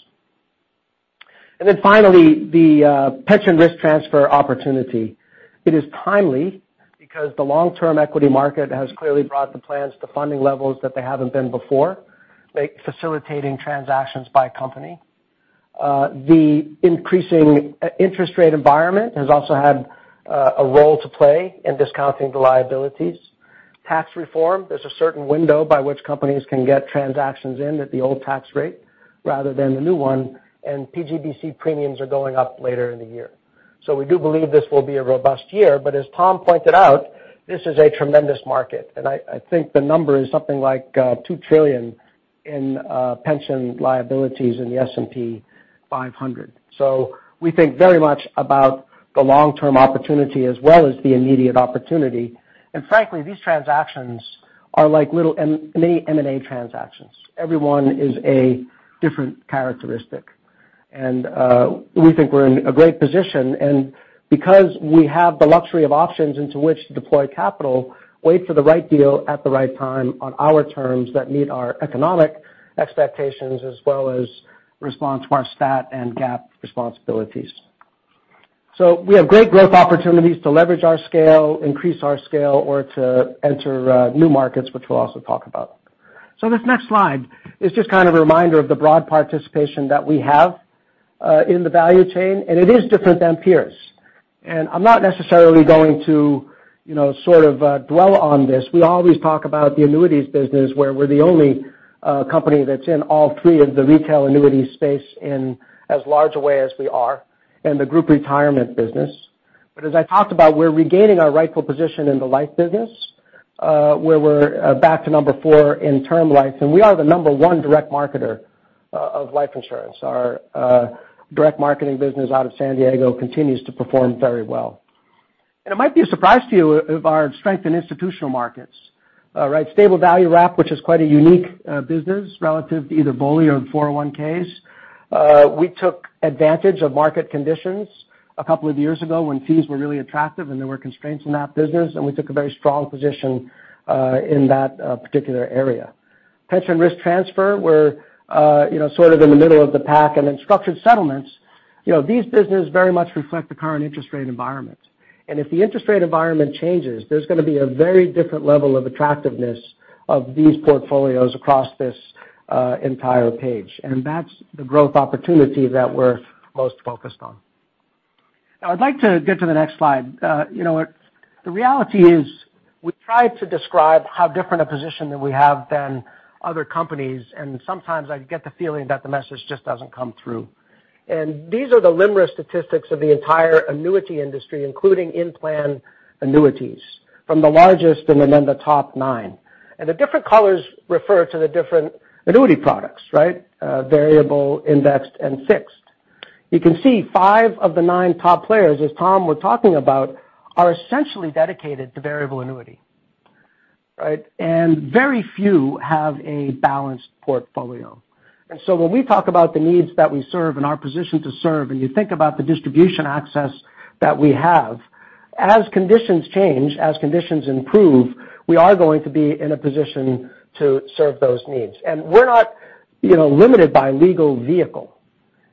Speaker 2: Finally, the pension risk transfer opportunity. It is timely because the long-term equity market has clearly brought the plans to funding levels that they haven't been before, facilitating transactions by a company. The increasing interest rate environment has also had a role to play in discounting the liabilities. Tax reform, there's a certain window by which companies can get transactions in at the old tax rate rather than the new one, and PBGC premiums are going up later in the year. We do believe this will be a robust year. As Tom pointed out, this is a tremendous market, and I think the number is something like $2 trillion in pension liabilities in the S&P 500. We think very much about the long-term opportunity as well as the immediate opportunity. Frankly, these transactions are like little M&A transactions. Every one is a different characteristic. We think we're in a great position. Because we have the luxury of options into which to deploy capital, wait for the right deal at the right time on our terms that meet our economic expectations as well as respond to our stat and GAAP responsibilities. We have great growth opportunities to leverage our scale, increase our scale, or to enter new markets, which we'll also talk about. This next slide is just kind of a reminder of the broad participation that we have in the value chain, and it is different than peers. I'm not necessarily going to sort of dwell on this. We always talk about the annuities business, where we're the only company that's in all three of the retail annuities space in as large a way as we are in the group retirement business. As I talked about, we're regaining our rightful position in the life business, where we're back to number four in term life. We are the number one direct marketer of life insurance. Our direct marketing business out of San Diego continues to perform very well. It might be a surprise to you of our strength in Institutional Markets. Right, Stable Value Wrap, which is quite a unique business relative to either BOLI or 401(k)s. We took advantage of market conditions a couple of years ago when fees were really attractive and there were constraints in that business, and we took a very strong position in that particular area. Pension risk transfer, we're sort of in the middle of the pack. Structured settlements, these businesses very much reflect the current interest rate environment. If the interest rate environment changes, there's gonna be a very different level of attractiveness of these portfolios across this entire page. That's the growth opportunity that we're most focused on. I'd like to get to the next slide. The reality is we try to describe how different a position that we have than other companies, and sometimes I get the feeling that the message just doesn't come through. These are the LIMRA statistics of the entire annuity industry, including in-plan annuities, from the largest and then the top nine. The different colors refer to the different annuity products, right? Variable, indexed, and fixed. You can see five of the nine top players, as Tom was talking about, are essentially dedicated to variable annuity, right? Very few have a balanced portfolio. When we talk about the needs that we serve and our position to serve, and you think about the distribution access that we have, as conditions change, as conditions improve, we are going to be in a position to serve those needs. We're not limited by legal vehicle.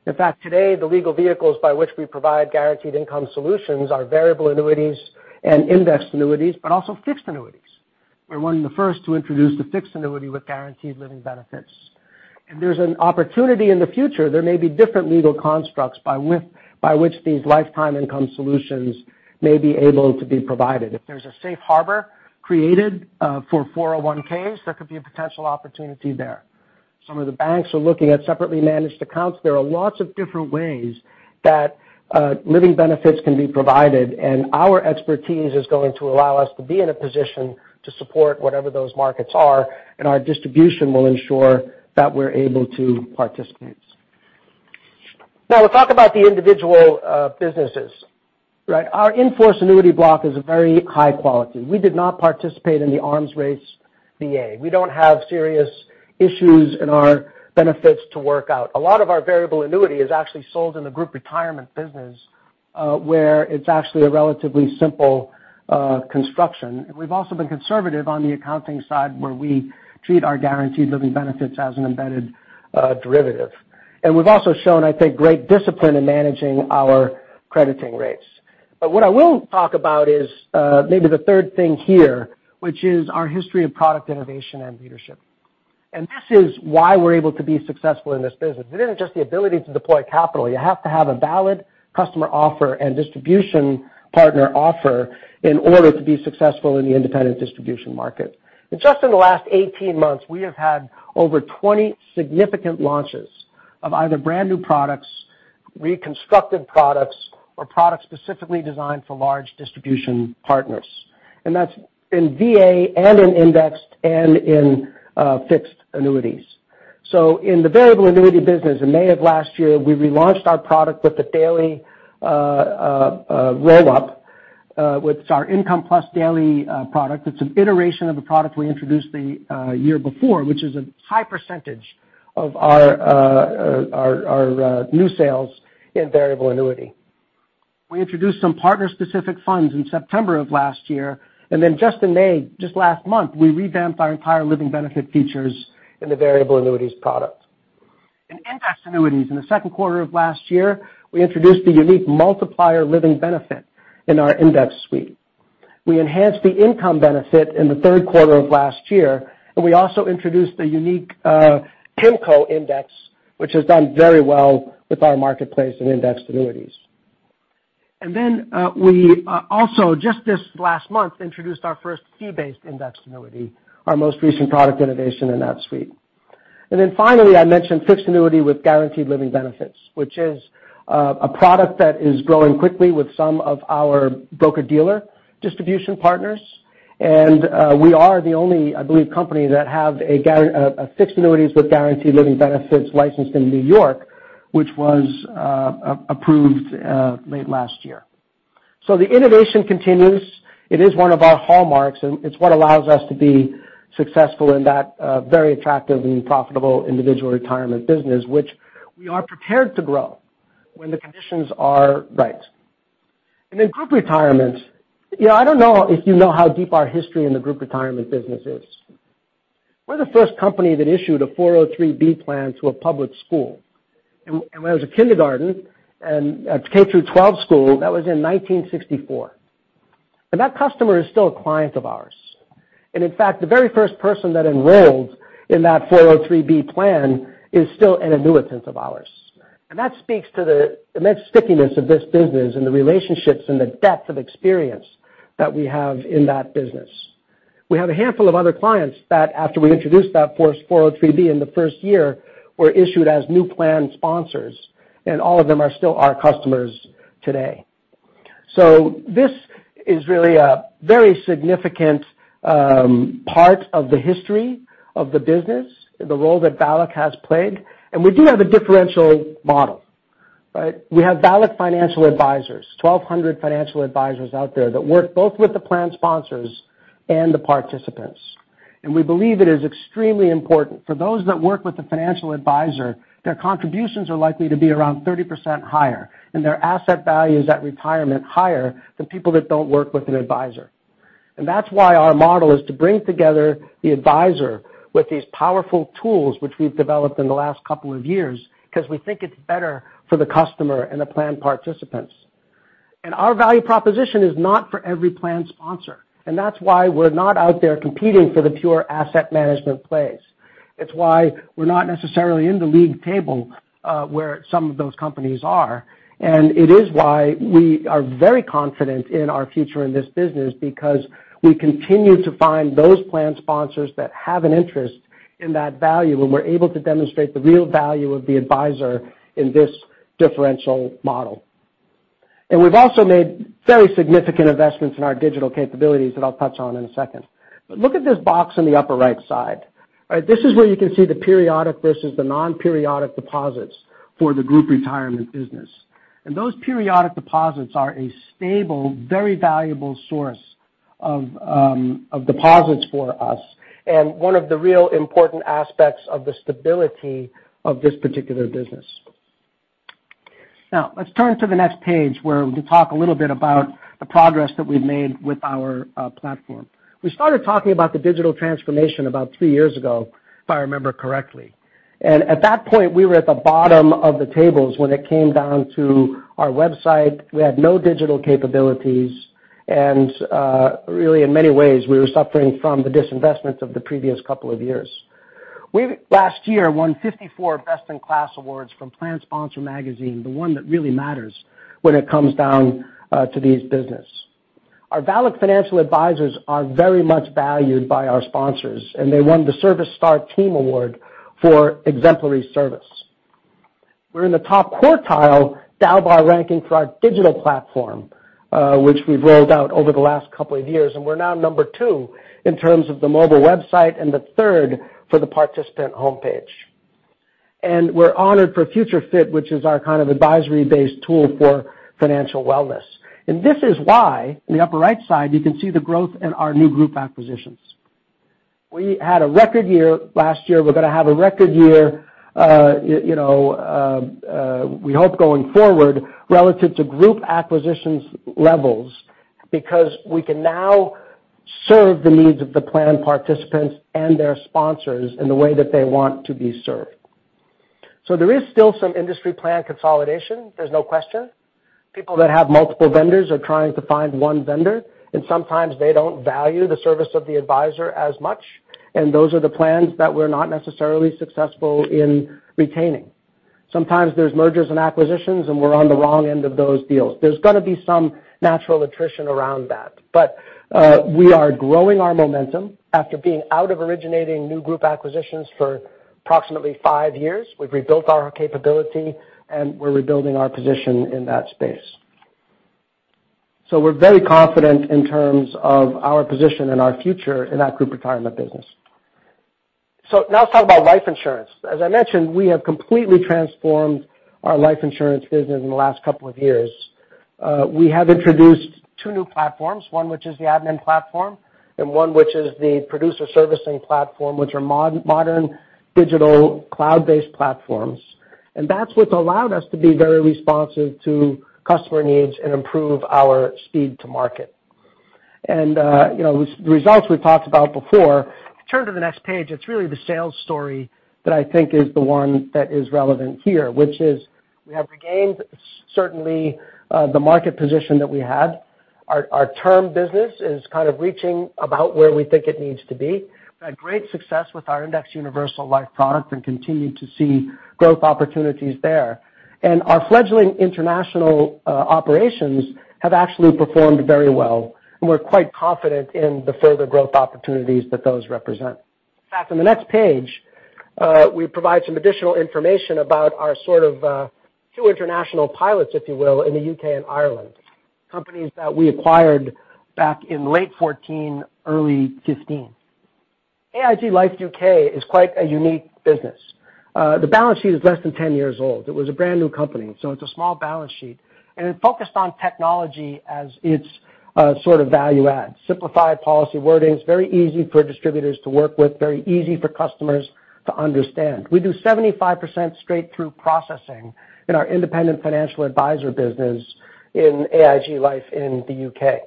Speaker 2: In fact, today, the legal vehicles by which we provide guaranteed income solutions are variable annuities and indexed annuities, but also fixed annuities. We're one of the first to introduce the fixed annuity with guaranteed living benefits. If there's an opportunity in the future, there may be different legal constructs by which these lifetime income solutions may be able to be provided. If there's a safe harbor created for 401(k)s, there could be a potential opportunity there. Some of the banks are looking at separately managed accounts. There are lots of different ways that living benefits can be provided, and our expertise is going to allow us to be in a position to support whatever those markets are, and our distribution will ensure that we're able to participate. We'll talk about the individual businesses, right? Our in-force annuity block is a very high quality. We did not participate in the arms race VA. We don't have serious issues in our benefits to work out. A lot of our variable annuity is actually sold in the group retirement business, where it's actually a relatively simple construction. We've also been conservative on the accounting side, where we treat our guaranteed living benefits as an embedded derivative. We've also shown, I think, great discipline in managing our crediting rates. What I will talk about is maybe the third thing here, which is our history of product innovation and leadership. This is why we're able to be successful in this business. It isn't just the ability to deploy capital. You have to have a valid customer offer and distribution partner offer in order to be successful in the independent distribution market. Just in the last 18 months, we have had over 20 significant launches of either brand-new products, reconstructed products, or products specifically designed for large distribution partners. That's in VA and in indexed and in fixed annuities. In the variable annuity business, in May of last year, we relaunched our product with a daily roll-up with our Income PLUS daily product. It's an iteration of the product we introduced the year before, which is a high percentage of our new sales in variable annuity. We introduced some partner-specific funds in September of last year. Just in May, just last month, we revamped our entire living benefit features in the variable annuities product. In indexed annuities, in the second quarter of last year, we introduced the unique multiplier living benefit in our indexed suite. We enhanced the income benefit in the third quarter of last year, we also introduced the unique PIMCO index, which has done very well with our marketplace in indexed annuities. We also, just this last month, introduced our first fee-based indexed annuity, our most recent product innovation in that suite. Finally, I mentioned fixed annuity with guaranteed living benefits, which is a product that is growing quickly with some of our broker-dealer distribution partners. We are the only, I believe, company that have a fixed annuities with guaranteed living benefits licensed in New York, which was approved late last year. The innovation continues. It is one of our hallmarks, it's what allows us to be successful in that very attractive and profitable individual retirement business, which we are prepared to grow when the conditions are right. Group retirement. I don't know if you know how deep our history in the group retirement business is. We're the first company that issued a 403 plan to a public school. When I was a kindergarten and a K through 12 school, that was in 1964. That customer is still a client of ours. In fact, the very first person that enrolled in that 403 plan is still an annuitant of ours. That speaks to the immense stickiness of this business and the relationships and the depth of experience that we have in that business. We have a handful of other clients that, after we introduced that 403 in the first year, were issued as new plan sponsors, all of them are still our customers today. This is really a very significant part of the history of the business, the role that VALIC has played. We do have a differential model. We have VALIC financial advisors, 1,200 financial advisors out there that work both with the plan sponsors and the participants. We believe it is extremely important. For those that work with the financial advisor, their contributions are likely to be around 30% higher, their asset value is, at retirement, higher than people that don't work with an advisor. That's why our model is to bring together the advisor with these powerful tools which we've developed in the last couple of years, because we think it's better for the customer and the plan participants. Our value proposition is not for every plan sponsor, that's why we're not out there competing for the pure asset management plays. It's why we're not necessarily in the league table, where some of those companies are. It is why we are very confident in our future in this business, because we continue to find those plan sponsors that have an interest in that value, when we're able to demonstrate the real value of the advisor in this differential model. We've also made very significant investments in our digital capabilities that I'll touch on in a second. Look at this box in the upper right side. This is where you can see the periodic versus the non-periodic deposits for the group retirement business. Those periodic deposits are a stable, very valuable source of deposits for us and one of the real important aspects of the stability of this particular business. Now, let's turn to the next page, where we can talk a little bit about the progress that we've made with our platform. We started talking about the digital transformation about three years ago, if I remember correctly. At that point, we were at the bottom of the tables when it came down to our website. We had no digital capabilities. Really, in many ways, we were suffering from the disinvestment of the previous couple of years. We, last year, won 54 Best in Class awards from PLANSPONSOR magazine, the one that really matters when it comes down to this business. Our VALIC financial advisors are very much valued by our sponsors, they won the Service Star team award for exemplary service. We're in the top quartile DALBAR ranking for our digital platform, which we've rolled out over the last couple of years, we're now number 2 in terms of the mobile website and the third for the participant homepage. We're honored for FutureFIT, which is our kind of advisory-based tool for financial wellness. This is why, in the upper right side, you can see the growth in our new group acquisitions. We had a record year last year. We're going to have a record year, we hope, going forward relative to group acquisitions levels, because we can now serve the needs of the plan participants and their sponsors in the way that they want to be served. There is still some industry plan consolidation. There's no question. People that have multiple vendors are trying to find one vendor, and sometimes they don't value the service of the advisor as much, and those are the plans that we're not necessarily successful in retaining. Sometimes there's mergers and acquisitions, and we're on the wrong end of those deals. There's going to be some natural attrition around that. We are growing our momentum after being out of originating new group acquisitions for approximately 5 years. We've rebuilt our capability, and we're rebuilding our position in that space. We're very confident in terms of our position and our future in that group retirement business. Now let's talk about life insurance. As I mentioned, we have completely transformed our life insurance business in the last couple of years. We have introduced 2 new platforms, one which is the admin platform and one which is the producer servicing platform, which are modern digital cloud-based platforms. That's what's allowed us to be very responsive to customer needs and improve our speed to market. The results we talked about before. If you turn to the next page, it's really the sales story that I think is the one that is relevant here, which is we have regained, certainly, the market position that we had. Our term business is kind of reaching about where we think it needs to be. We've had great success with our indexed universal life product and continue to see growth opportunities there. Our fledgling international operations have actually performed very well, and we're quite confident in the further growth opportunities that those represent. In fact, on the next page, we provide some additional information about our sort of 2 international pilots, if you will, in the U.K. and Ireland, companies that we acquired back in late 2014, early 2015. AIG Life UK is quite a unique business. The balance sheet is less than 10 years old. It was a brand-new company. It's a small balance sheet, and it focused on technology as its sort of value add. Simplified policy wording. It's very easy for distributors to work with, very easy for customers to understand. We do 75% straight-through processing in our independent financial advisor business in AIG Life in the U.K.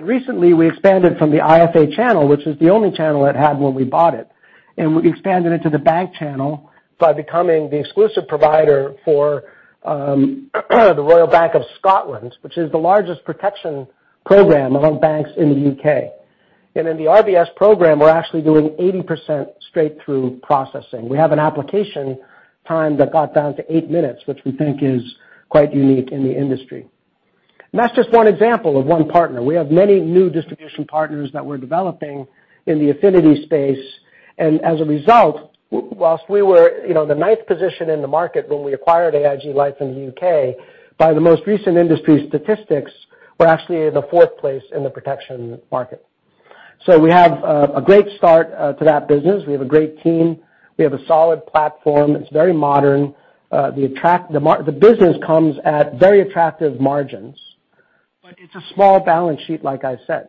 Speaker 2: Recently, we expanded from the IFA channel, which is the only channel it had when we bought it. We expanded into the bank channel by becoming the exclusive provider for the Royal Bank of Scotland, which is the largest protection program among banks in the U.K. In the RBS program, we're actually doing 80% straight-through processing. We have an application time that got down to 8 minutes, which we think is quite unique in the industry. That's just one example of one partner. We have many new distribution partners that we're developing in the affinity space. As a result, whilst we were in the ninth position in the market when we acquired AIG Life in the U.K., by the most recent industry statistics, we're actually in the fourth place in the protection market. We have a great start to that business. We have a great team. We have a solid platform. It's very modern. The business comes at very attractive margins, but it's a small balance sheet, like I said.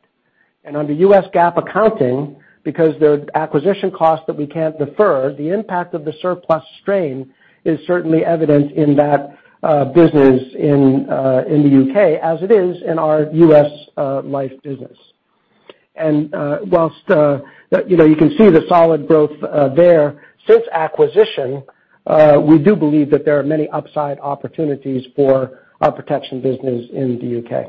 Speaker 2: Under U.S. GAAP accounting, because there are acquisition costs that we can't defer, the impact of the surplus strain is certainly evident in that business in the U.K. as it is in our U.S. Life business. Whilst you can see the solid growth there since acquisition, we do believe that there are many upside opportunities for our protection business in the U.K.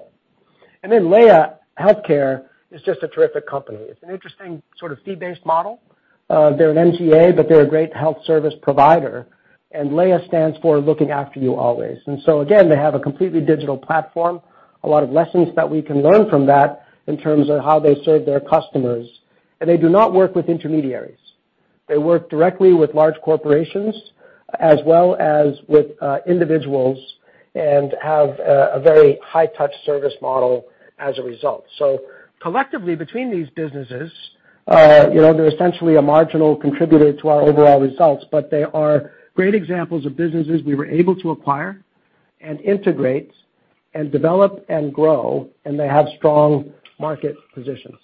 Speaker 2: LAYA Healthcare is just a terrific company. It's an interesting sort of fee-based model. They're an MGA, but they're a great health service provider. LAYA stands for Looking After You Always. Again, they have a completely digital platform, a lot of lessons that we can learn from that in terms of how they serve their customers. They do not work with intermediaries. They work directly with large corporations as well as with individuals, and have a very high-touch service model as a result. Collectively, between these businesses, they're essentially a marginal contributor to our overall results, but they are great examples of businesses we were able to acquire and integrate and develop and grow, and they have strong market positions.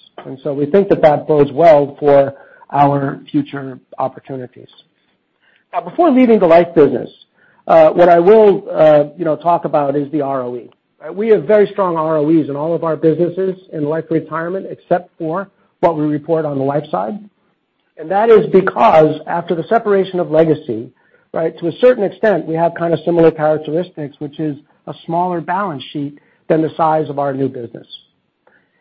Speaker 2: We think that that bodes well for our future opportunities. Now, before leaving the Life business, what I will talk about is the ROE, right? We have very strong ROEs in all of our businesses in Life Retirement, except for what we report on the Life side. That is because after the separation of legacy, to a certain extent, we have kind of similar characteristics, which is a smaller balance sheet than the size of our new business.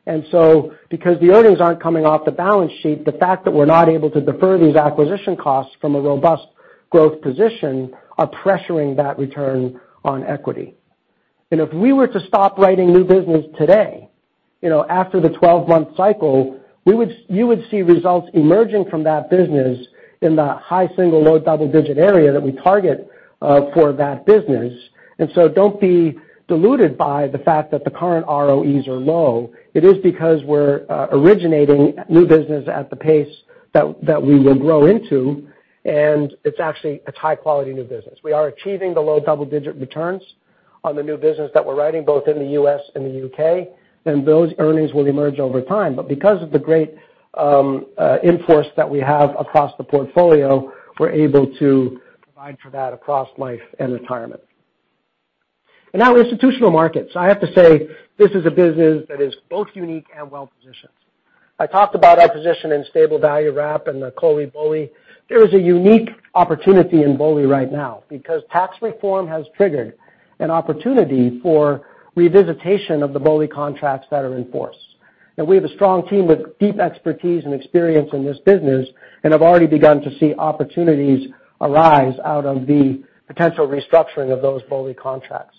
Speaker 2: Because the earnings aren't coming off the balance sheet, the fact that we're not able to defer these acquisition costs from a robust growth position are pressuring that return on equity. If we were to stop writing new business today, after the 12-month cycle, you would see results emerging from that business in the high single, low double-digit area that we target for that business. Don't be deluded by the fact that the current ROEs are low. It is because we're originating new business at the pace that we will grow into, and it's high-quality new business. We are achieving the low double-digit returns on the new business that we're writing, both in the U.S. and the U.K., and those earnings will emerge over time. Because of the great in-force that we have across the portfolio, we're able to provide for that across Life and Retirement. Now Institutional Markets. I have to say, this is a business that is both unique and well-positioned. I talked about our position in Stable Value Wrap and the COLI/BOLI. There is a unique opportunity in BOLI right now because tax reform has triggered an opportunity for revisitation of the BOLI contracts that are in force. We have a strong team with deep expertise and experience in this business and have already begun to see opportunities arise out of the potential restructuring of those BOLI contracts.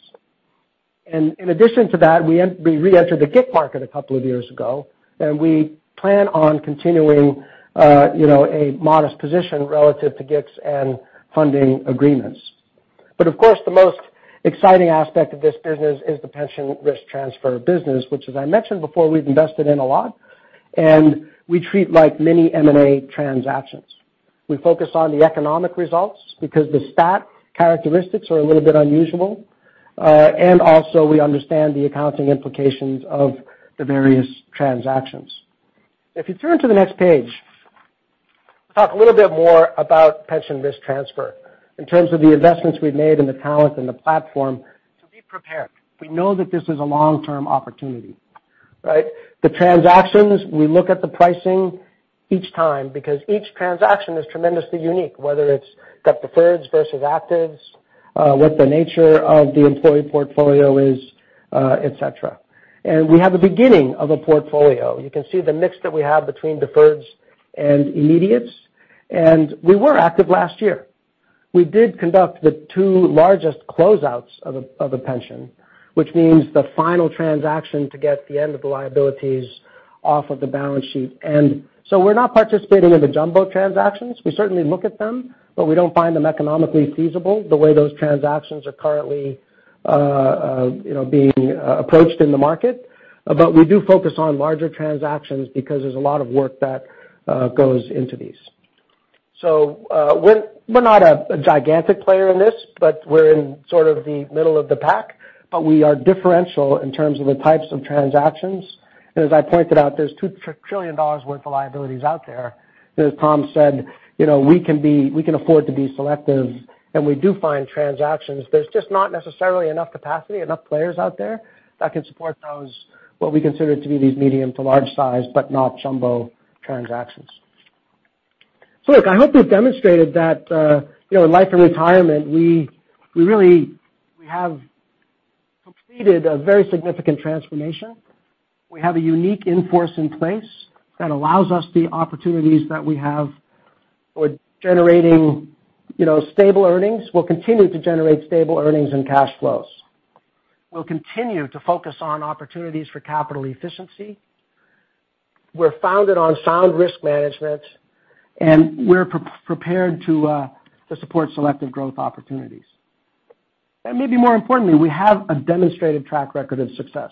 Speaker 2: In addition to that, we reentered the GIC market a couple of years ago, and we plan on continuing a modest position relative to GICs and funding agreements. Of course, the most exciting aspect of this business is the pension risk transfer business, which as I mentioned before, we've invested in a lot, and we treat like many M&A transactions. We focus on the economic results because the stat characteristics are a little bit unusual. Also, we understand the accounting implications of the various transactions. If you turn to the next page, I'll talk a little bit more about pension risk transfer in terms of the investments we've made in the talent and the platform to be prepared. We know that this is a long-term opportunity, right? The transactions, we look at the pricing each time because each transaction is tremendously unique, whether it's got deferreds versus actives, what the nature of the employee portfolio is, et cetera. We have a beginning of a portfolio. You can see the mix that we have between deferreds and immediates. We were active last year. We did conduct the two largest closeouts of a pension, which means the final transaction to get the end of the liabilities off of the balance sheet. We're not participating in the jumbo transactions. We certainly look at them, but we don't find them economically feasible the way those transactions are currently being approached in the market. We do focus on larger transactions because there's a lot of work that goes into these. We're not a gigantic player in this, but we're in sort of the middle of the pack, but we are differential in terms of the types of transactions. As I pointed out, there's $2 trillion worth of liabilities out there. As Tom said, we can afford to be selective, and we do find transactions. There's just not necessarily enough capacity, enough players out there that can support those, what we consider to be these medium to large size, but not jumbo transactions. Look, I hope we've demonstrated that in Life and Retirement, we have completed a very significant transformation. We have a unique in-force in place that allows us the opportunities that we have with generating stable earnings. We'll continue to generate stable earnings and cash flows. We'll continue to focus on opportunities for capital efficiency. We're founded on sound risk management, and we're prepared to support selective growth opportunities. Maybe more importantly, we have a demonstrated track record of success,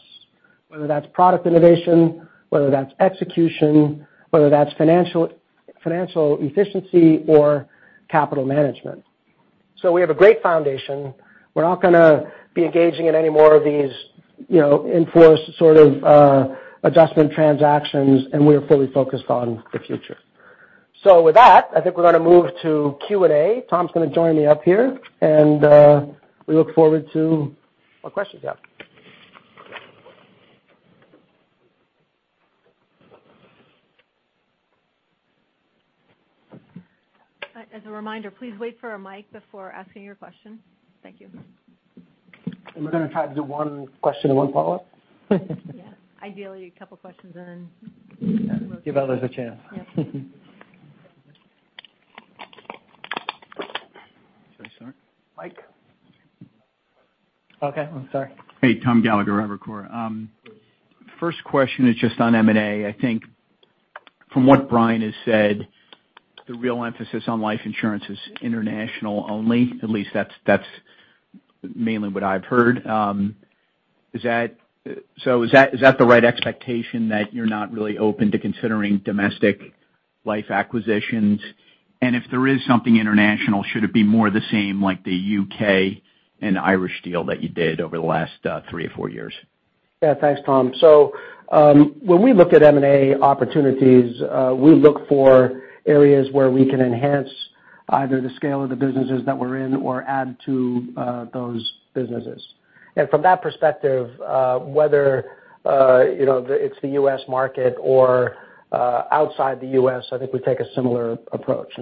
Speaker 2: whether that's product innovation, whether that's execution, whether that's financial efficiency or capital management. We have a great foundation. We're not going to be engaging in any more of these in-force sort of adjustment transactions, and we are fully focused on the future. With that, I think we're going to move to Q&A. Tom's going to join me up here, and we look forward to what questions you have.
Speaker 1: As a reminder, please wait for a mic before asking your question. Thank you.
Speaker 2: We're going to try to do one question and one follow-up.
Speaker 1: Yeah. Ideally, a couple of questions.
Speaker 2: Give others a chance.
Speaker 1: Yes.
Speaker 4: Should I start?
Speaker 2: Mike. Okay. I'm sorry.
Speaker 4: Hey, Thomas Gallagher, Evercore. First question is just on M&A. I think from what Brian has said, the real emphasis on life insurance is international only, at least that's mainly what I've heard. Is that the right expectation, that you're not really open to considering domestic life acquisitions? If there is something international, should it be more the same like the U.K. and Irish deal that you did over the last three or four years?
Speaker 2: Yeah. Thanks, Tom. When we look at M&A opportunities, we look for areas where we can enhance either the scale of the businesses that we're in or add to those businesses. From that perspective, whether it's the U.S. market or outside the U.S., I think we take a similar approach.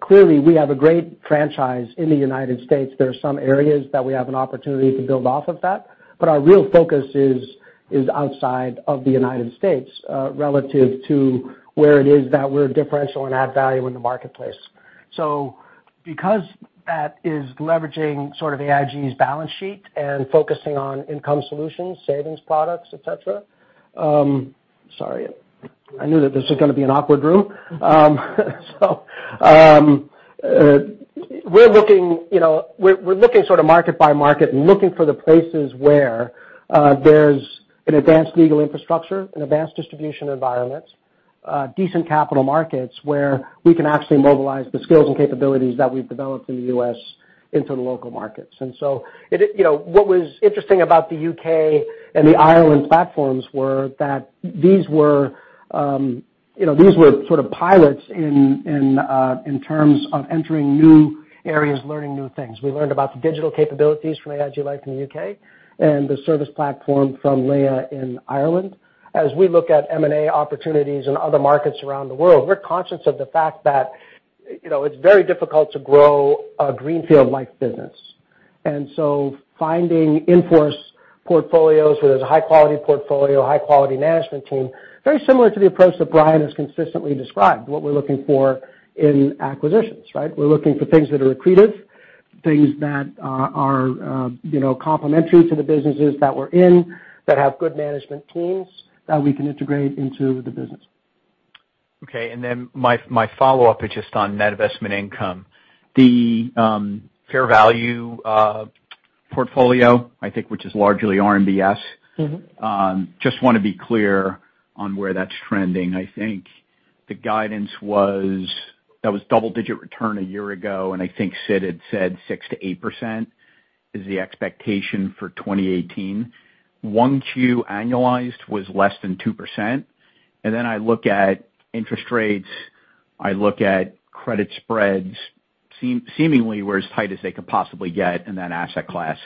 Speaker 2: Clearly, we have a great franchise in the United States. There are some areas that we have an opportunity to build off of that, but our real focus is outside of the United States relative to where it is that we're differential and add value in the marketplace. Because that is leveraging sort of AIG's balance sheet and focusing on income solutions, savings products, et cetera Sorry. I knew that this was going to be an awkward room. We're looking sort of market by market and looking for the places where there's an advanced legal infrastructure, an advanced distribution environment, decent capital markets where we can actually mobilize the skills and capabilities that we've developed in the U.S. into the local markets. What was interesting about the U.K. and the Ireland platforms were that these were sort of pilots in terms of entering new areas, learning new things. We learned about the digital capabilities from AIG Life in the U.K. and the service platform from Laya in Ireland. As we look at M&A opportunities in other markets around the world, we're conscious of the fact that it's very difficult to grow a greenfield life business. Finding in-force portfolios where there's a high-quality portfolio, high-quality management team, very similar to the approach that Brian has consistently described, what we're looking for in acquisitions, right? We're looking for things that are accretive, things that are complementary to the businesses that we're in, that have good management teams that we can integrate into the business.
Speaker 4: My follow-up is just on net investment income. The fair value portfolio, I think, which is largely RMBS. Just want to be clear on where that's trending. I think the guidance was that was double-digit return a year ago, and I think Sid had said 6%-8% is the expectation for 2018. 1Q annualized was less than 2%. I look at interest rates, I look at credit spreads seemingly were as tight as they could possibly get in that asset class.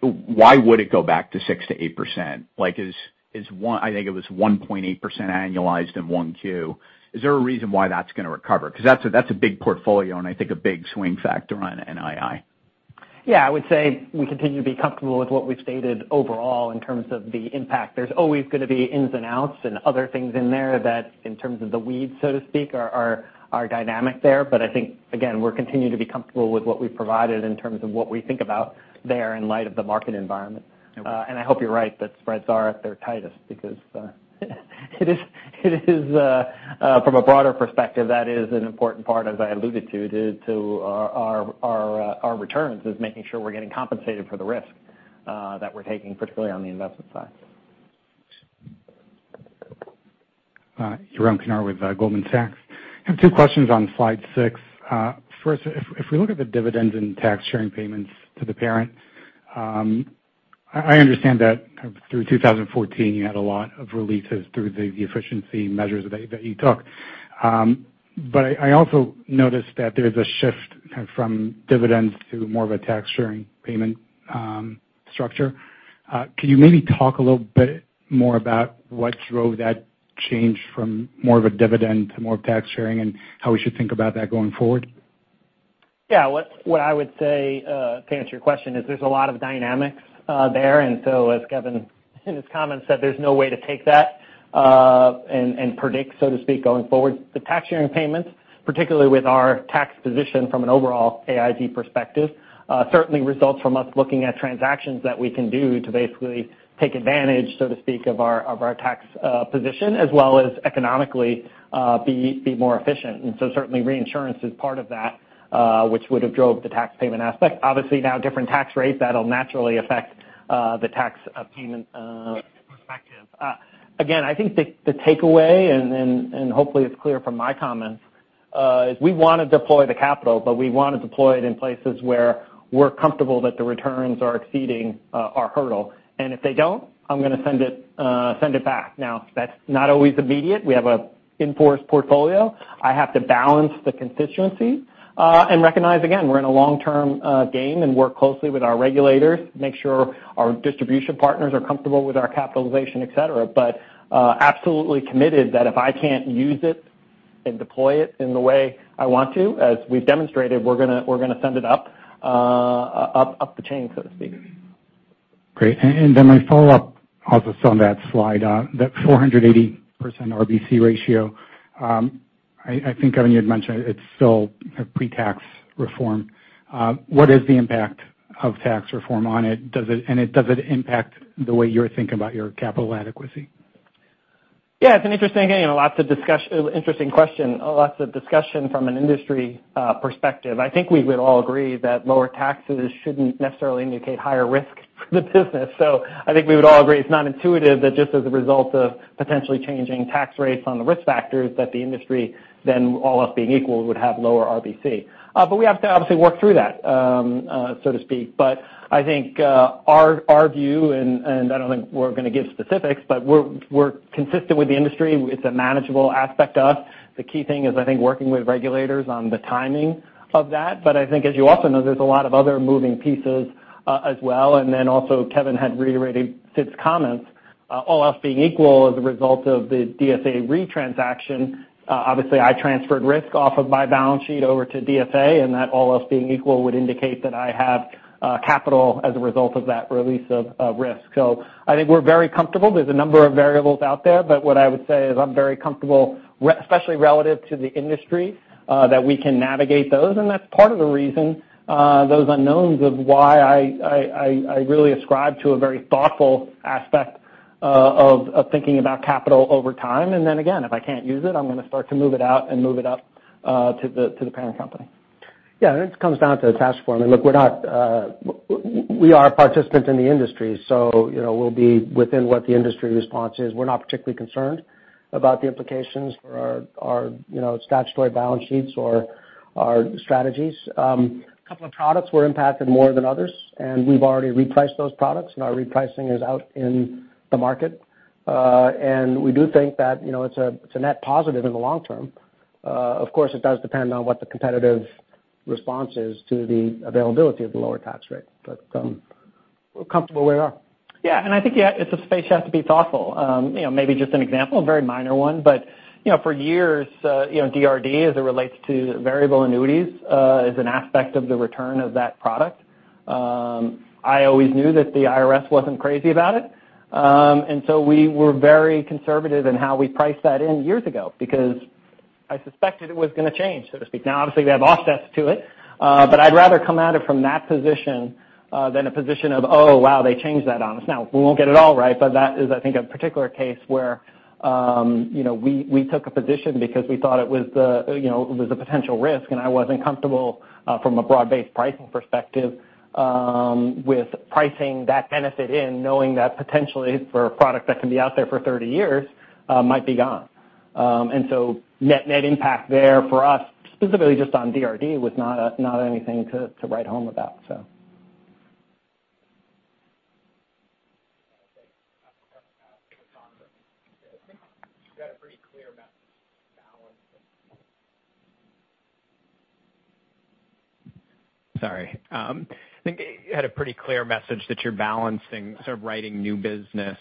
Speaker 4: Why would it go back to 6%-8%? I think it was 1.8% annualized in 1Q. Is there a reason why that's going to recover? Because that's a big portfolio, and I think a big swing factor on NII.
Speaker 3: I would say we continue to be comfortable with what we've stated overall in terms of the impact. There's always going to be ins and outs and other things in there that, in terms of the weeds, so to speak, are dynamic there. I think, again, we're continuing to be comfortable with what we've provided in terms of what we think about there in light of the market environment.
Speaker 4: Okay.
Speaker 3: I hope you're right that spreads are at their tightest because from a broader perspective, that is an important part, as I alluded to our returns, is making sure we're getting compensated for the risk that we're taking, particularly on the investment side.
Speaker 5: Jerome Kinnard with Goldman Sachs. I have two questions on slide six. First, if we look at the dividends and tax sharing payments to the parent, I understand that through 2014, you had a lot of releases through the efficiency measures that you took. I also noticed that there's a shift from dividends to more of a tax sharing payment structure. Can you maybe talk a little bit more about what drove that change from more of a dividend to more of tax sharing, and how we should think about that going forward?
Speaker 3: What I would say, to answer your question, is there's a lot of dynamics there. As Kevin in his comments said, there's no way to take that and predict, so to speak, going forward. The tax sharing payments, particularly with our tax position from an overall AIG perspective certainly results from us looking at transactions that we can do to basically take advantage, so to speak, of our tax position as well as economically be more efficient. Certainly reinsurance is part of that, which would have drove the tax payment aspect. Obviously, now different tax rates, that'll naturally affect the tax payment perspective. Again, I think the takeaway, and hopefully it's clear from my comments, is we want to deploy the capital, but we want to deploy it in places where we're comfortable that the returns are exceeding our hurdle. If they don't, I'm going to send it back. That's not always immediate. We have an in-force portfolio. I have to balance the consistency, and recognize again, we're in a long-term game and work closely with our regulators to make sure our distribution partners are comfortable with our capitalization, et cetera. Absolutely committed that if I can't use it and deploy it in the way I want to, as we've demonstrated, we're going to send it up the chain, so to speak.
Speaker 5: Great. My follow-up also is on that slide, that 480% RBC ratio. I think, Kevin, you had mentioned it's still pre-tax reform. What is the impact of tax reform on it? Does it impact the way you're thinking about your capital adequacy?
Speaker 3: It's an interesting question, lots of discussion from an industry perspective. I think we would all agree that lower taxes shouldn't necessarily indicate higher risk for the business. I think we would all agree it's not intuitive that just as a result of potentially changing tax rates on the risk factors, that the industry then all else being equal, would have lower RBC. We have to obviously work through that, so to speak. I think our view, and I don't think we're going to give specifics, but we're consistent with the industry. It's a manageable aspect to us. The key thing is, I think, working with regulators on the timing of that. Also Kevin had reiterated Sid's comments. All else being equal as a result of the DSA Re transaction, obviously I transferred risk off of my balance sheet over to DSA, that all else being equal, would indicate that I have capital as a result of that release of risk. I think we're very comfortable. There's a number of variables out there. What I would say is I'm very comfortable, especially relative to the industry, that we can navigate those. That's part of the reason, those unknowns of why I really ascribe to a very thoughtful aspect of thinking about capital over time. Again, if I can't use it, I'm going to start to move it out and move it up to the parent company.
Speaker 2: It comes down to the tax reform. Look, we are a participant in the industry, so we'll be within what the industry response is. We're not particularly concerned about the implications for our statutory balance sheets or our strategies. A couple of products were impacted more than others, and we've already repriced those products, and our repricing is out in the market. We do think that it's a net positive in the long term. Of course, it does depend on what the competitive response is to the availability of the lower tax rate, but we're comfortable where we are.
Speaker 3: I think it's a space you have to be thoughtful. Maybe just an example, a very minor one, but for years DRD as it relates to variable annuities, is an aspect of the return of that product. I always knew that the IRS wasn't crazy about it. We were very conservative in how we priced that in years ago because I suspected it was going to change, so to speak. Now, obviously, we have offsets to it, but I'd rather come at it from that position than a position of, oh, wow, they changed that on us. We won't get it all right, but that is, I think, a particular case where we took a position because we thought it was a potential risk, and I wasn't comfortable from a broad-based pricing perspective with pricing that benefit in knowing that potentially for a product that can be out there for 30 years might be gone. Net impact there for us specifically just on DRD was not anything to write home about.
Speaker 6: I think you had a pretty clear message that you're balancing sort of writing new business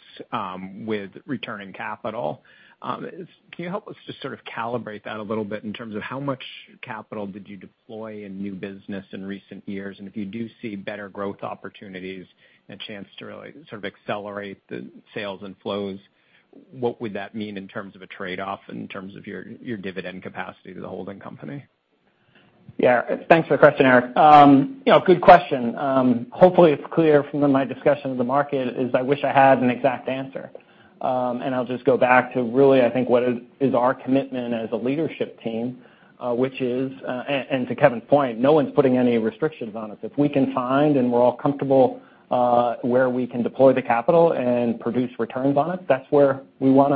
Speaker 6: with returning capital. Can you help us just sort of calibrate that a little bit in terms of how much capital did you deploy in new business in recent years? If you do see better growth opportunities and a chance to really sort of accelerate the sales and flows, what would that mean in terms of a trade-off in terms of your dividend capacity to the holding company?
Speaker 3: Yeah. Thanks for the question, Eric. Good question. Hopefully it's clear from my discussion of the market is I wish I had an exact answer. I'll just go back to really, I think what is our commitment as a leadership team, and to Kevin's point, no one's putting any restrictions on us. If we can find and we're all comfortable where we can deploy the capital and produce returns on it, that's where we want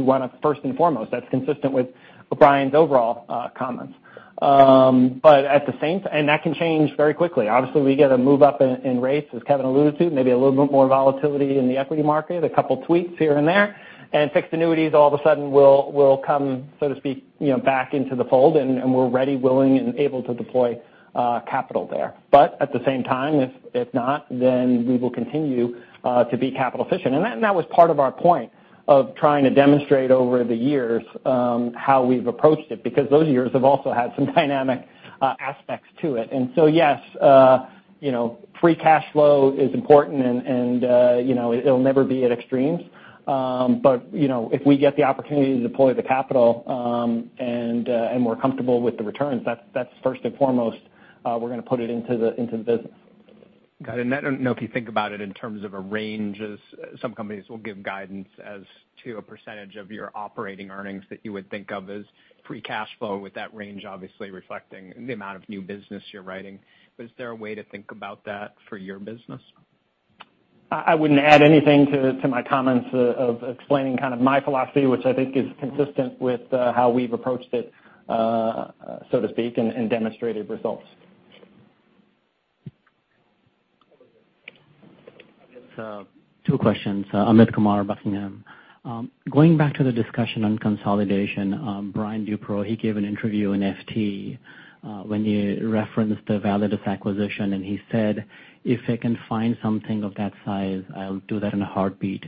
Speaker 3: to first and foremost. That's consistent with Brian's overall comments. That can change very quickly. Obviously, we get a move up in rates, as Kevin alluded to, maybe a little bit more volatility in the equity market, a couple tweaks here and there, and fixed annuities all of a sudden will come, so to speak, back into the fold, and we're ready, willing, and able to deploy capital there. At the same time, if not, then we will continue to be capital efficient. That was part of our point of trying to demonstrate over the years how we've approached it, because those years have also had some dynamic aspects to it. Yes, free cash flow is important and it'll never be at extremes. If we get the opportunity to deploy the capital, and we're comfortable with the returns, that's first and foremost, we're going to put it into the business.
Speaker 6: Got it. I don't know if you think about it in terms of a range, as some companies will give guidance as to a percentage of your operating earnings that you would think of as free cash flow with that range, obviously reflecting the amount of new business you're writing. Is there a way to think about that for your business?
Speaker 3: I wouldn't add anything to my comments of explaining kind of my philosophy, which I think is consistent with how we've approached it, so to speak, and demonstrated results.
Speaker 7: I guess, two questions. Amit Kumar, Buckingham Research Group. Going back to the discussion on consolidation, Brian Duperreault, he gave an interview in Financial Times, when you referenced the Validus Holdings, Ltd. acquisition, and he said, "If they can find something of that size, I'll do that in a heartbeat."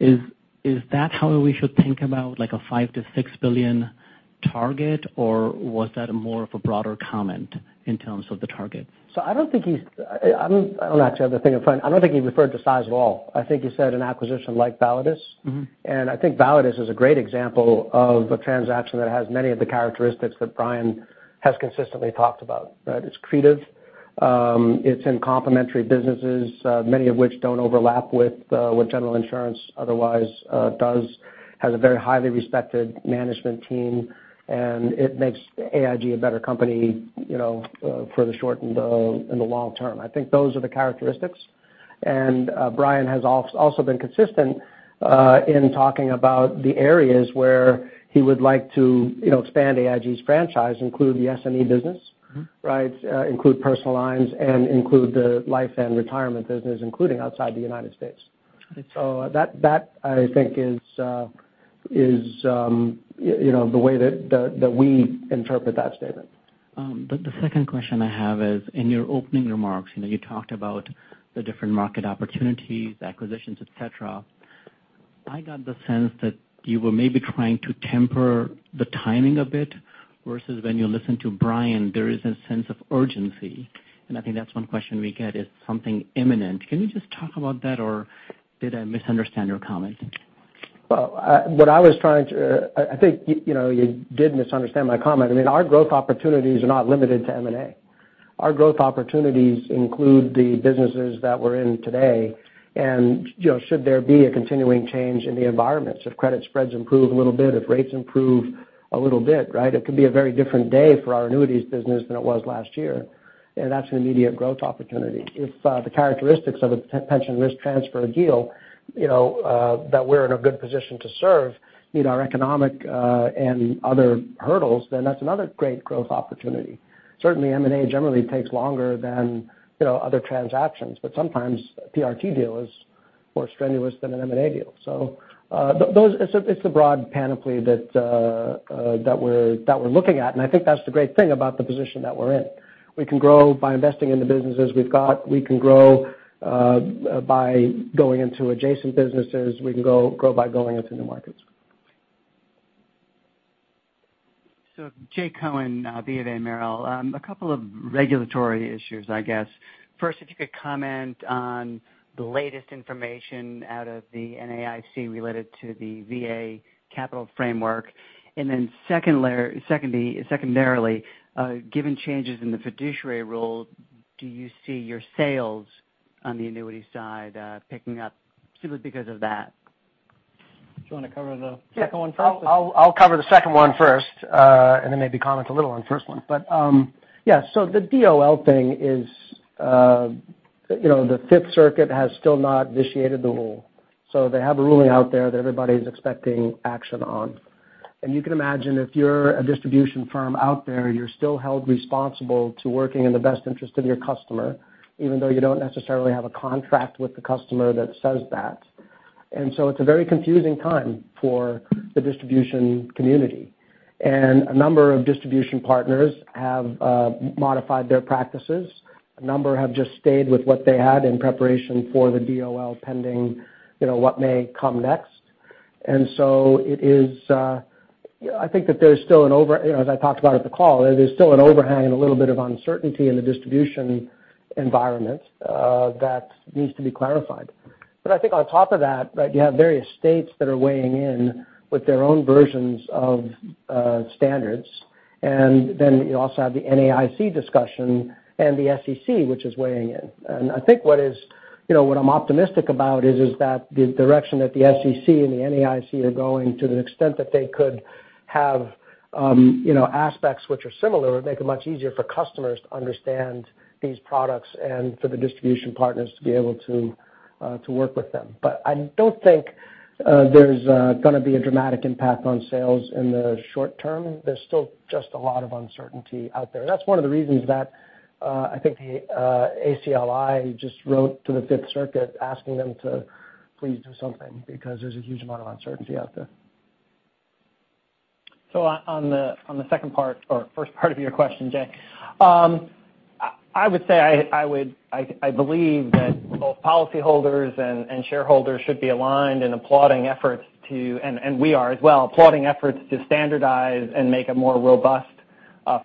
Speaker 7: Is that how we should think about a $5 billion-$6 billion target, or was that more of a broader comment in terms of the target?
Speaker 2: I don't actually have the thing in front. I don't think he referred to size at all. I think he said an acquisition like Validus Holdings, Ltd.
Speaker 3: I think Validus Holdings, Ltd. is a great example of a transaction that has many of the characteristics that Brian has consistently talked about, that it's accretive, it's in complementary businesses, many of which don't overlap with General Insurance otherwise does, has a very highly respected management team, and it makes AIG a better company for the short and the long term. I think those are the characteristics. Brian has also been consistent in talking about the areas where he would like to expand AIG's franchise, include the SME business.
Speaker 2: Include personal lines and include the Life and Retirement business, including outside the U.S. Got it. That, I think is the way that we interpret that statement.
Speaker 7: The second question I have is, in your opening remarks, you talked about the different market opportunities, acquisitions, et cetera. I got the sense that you were maybe trying to temper the timing a bit versus when you listen to Brian, there is a sense of urgency. I think that's one question we get is something imminent. Can you just talk about that, or did I misunderstand your comment?
Speaker 2: Well, I think you did misunderstand my comment. I mean, our growth opportunities are not limited to M&A. Our growth opportunities include the businesses that we're in today. Should there be a continuing change in the environment, should credit spreads improve a little bit, if rates improve a little bit, it could be a very different day for our annuities business than it was last year. That's an immediate growth opportunity. If the characteristics of a pension risk transfer deal that we're in a good position to serve meet our economic and other hurdles, that's another great growth opportunity. Certainly, M&A generally takes longer than other transactions, but sometimes a PRT deal is more strenuous than an M&A deal. It's a broad panoply that we're looking at, I think that's the great thing about the position that we're in.
Speaker 3: We can grow by investing in the businesses we've got. We can grow by going into adjacent businesses. We can grow by going into new markets.
Speaker 8: Jay Cohen, BofA Merrill. A couple of regulatory issues, I guess. First, if you could comment on the latest information out of the NAIC related to the VA capital framework. Secondarily, given changes in the Fiduciary Rule, do you see your sales on the annuity side picking up simply because of that?
Speaker 2: Do you want to cover the second one first? I'll cover the second one first, maybe comment a little on the first one. The DOL thing is the Fifth Circuit has still not vitiated the rule. They have a ruling out there that everybody's expecting action on. You can imagine if you're a distribution firm out there, you're still held responsible to working in the best interest of your customer, even though you don't necessarily have a contract with the customer that says that. It's a very confusing time for the distribution community. A number of distribution partners have modified their practices. A number have just stayed with what they had in preparation for the DOL pending what may come next.
Speaker 3: I think that there's still an overhang and a little bit of uncertainty in the distribution environment that needs to be clarified. I think on top of that, you have various states that are weighing in with their own versions of standards, you also have the NAIC discussion and the SEC, which is weighing in. I think what I'm optimistic about is that the direction that the SEC and the NAIC are going to the extent that they could have aspects which are similar would make it much easier for customers to understand these products and for the distribution partners to be able to work with them. I don't think there's going to be a dramatic impact on sales in the short term. There's still just a lot of uncertainty out there. That's one of the reasons that I think the ACLI just wrote to the Fifth Circuit asking them to please do something because there's a huge amount of uncertainty out there. On the first part of your question, Jay, I would say I believe that both policyholders and shareholders should be aligned in applauding efforts to, and we are as well, applauding efforts to standardize and make a more robust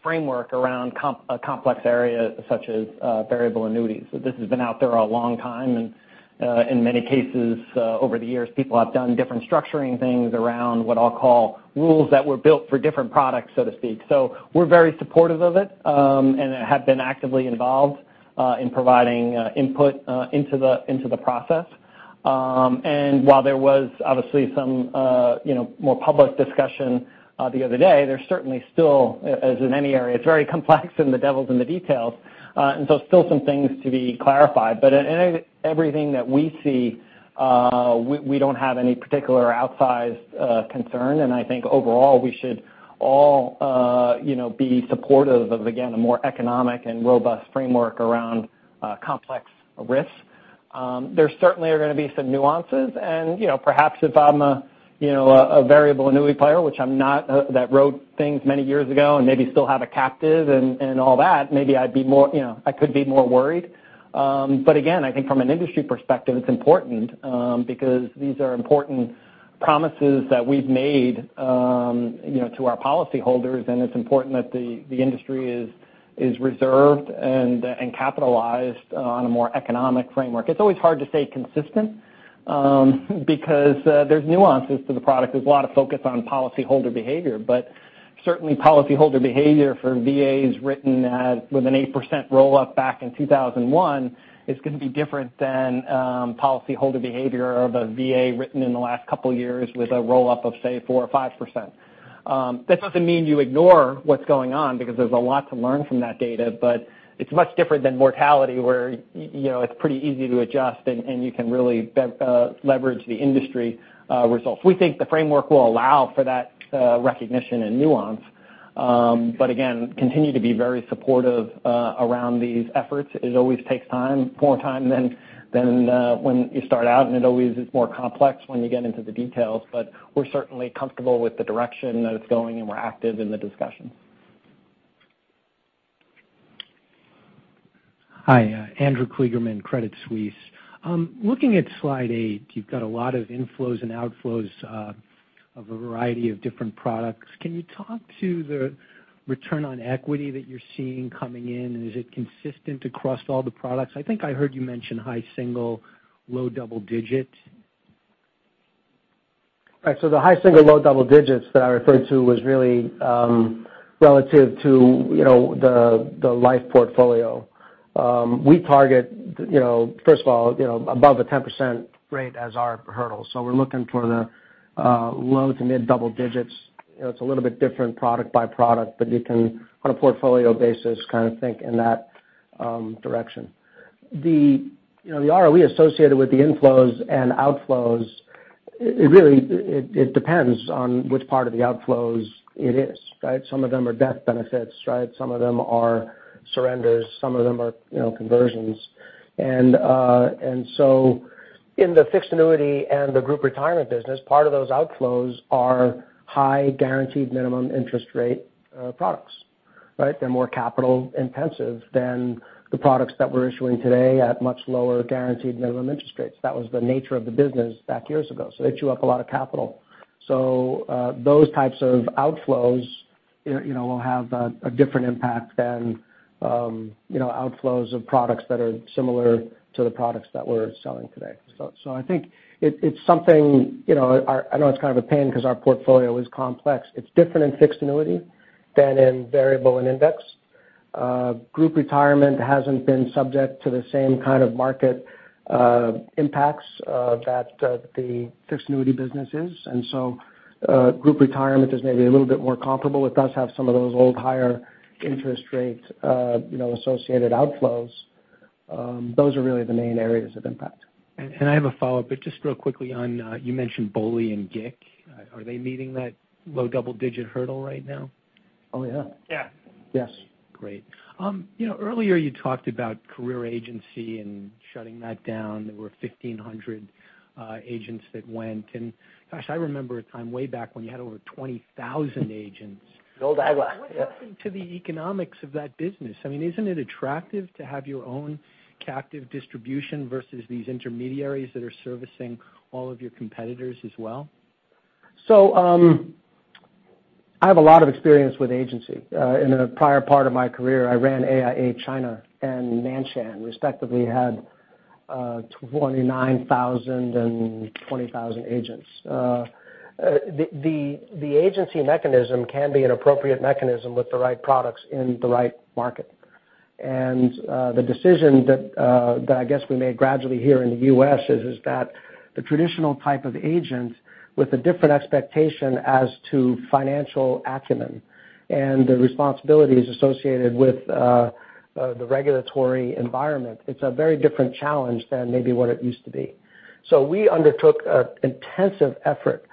Speaker 3: framework around a complex area such as variable annuities. This has been out there a long time, and in many cases over the years, people have done different structuring things around what I'll call rules that were built for different products, so to speak. We're very supportive of it, and have been actively involved in providing input into the process. While there was obviously some more public discussion the other day, there's certainly still, as in any area, it's very complex and the devil's in the details, still some things to be clarified. In everything that we see, we don't have any particular outsized concern, and I think overall, we should all be supportive of, again, a more economic and robust framework around complex risks. There certainly are going to be some nuances and perhaps if I'm a variable annuity player, which I'm not, that wrote things many years ago and maybe still have a captive and all that, maybe I could be more worried. Again, I think from an industry perspective, it's important because these are important promises that we've made to our policyholders, and it's important that the industry is reserved and capitalized on a more economic framework. It's always hard to stay consistent because there's nuances to the product. There's a lot of focus on policyholder behavior. Certainly policyholder behavior for VAs written with an 8% roll-up back in 2001 is going to be different than policyholder behavior of a VA written in the last couple of years with a roll-up of, say, 4% or 5%. That doesn't mean you ignore what's going on, because there's a lot to learn from that data, but it's much different than mortality, where it's pretty easy to adjust, and you can really leverage the industry results. We think the framework will allow for that recognition and nuance. Again, continue to be very supportive around these efforts. It always takes time, more time than when you start out, and it always is more complex when you get into the details. We're certainly comfortable with the direction that it's going, and we're active in the discussion.
Speaker 9: Hi, Andrew Kligerman, Credit Suisse. Looking at slide eight, you've got a lot of inflows and outflows of a variety of different products. Can you talk to the return on equity that you're seeing coming in, and is it consistent across all the products? I think I heard you mention high single, low double digit.
Speaker 2: Right. The high single, low double digits that I referred to was really relative to the life portfolio. We target, first of all above a 10% rate as our hurdle. We're looking for the low to mid double digits. It's a little bit different product by product, but you can, on a portfolio basis, kind of think in that direction. The ROE associated with the inflows and outflows, it depends on which part of the outflows it is, right? Some of them are death benefits, right? Some of them are surrenders. Some of them are conversions. In the fixed annuity and the group retirement business, part of those outflows are high guaranteed minimum interest rate products, right? They're more capital intensive than the products that we're issuing today at much lower guaranteed minimum interest rates. That was the nature of the business back years ago. They chew up a lot of capital. Those types of outflows will have a different impact than outflows of products that are similar to the products that we're selling today. I think it's something, I know it's kind of a pain because our portfolio is complex. It's different in fixed annuity than in variable and index. Group retirement hasn't been subject to the same kind of market impacts that the fixed annuity business is. Group retirement is maybe a little bit more comparable. It does have some of those old higher interest rates associated outflows. Those are really the main areas of impact.
Speaker 9: I have a follow-up, just real quickly on, you mentioned BOLI and GIC. Are they meeting that low double-digit hurdle right now?
Speaker 2: Oh, yeah.
Speaker 3: Yeah.
Speaker 2: Yes.
Speaker 9: Great. Earlier you talked about career agency and shutting that down. There were 1,500 agents that went. Gosh, I remember a time way back when you had over 20,000 agents.
Speaker 2: The old AIG, yep.
Speaker 9: What happened to the economics of that business? I mean, isn't it attractive to have your own captive distribution versus these intermediaries that are servicing all of your competitors as well?
Speaker 2: I have a lot of experience with agency. In a prior part of my career, I ran AIA China and Nan Shan, respectively, had 29,000 and 20,000 agents. The agency mechanism can be an appropriate mechanism with the right products in the right market. The decision that I guess we made gradually here in the U.S. is that the traditional type of agent with a different expectation as to financial acumen and the responsibilities associated with the regulatory environment, it's a very different challenge than maybe what it used to be. We undertook an intensive effort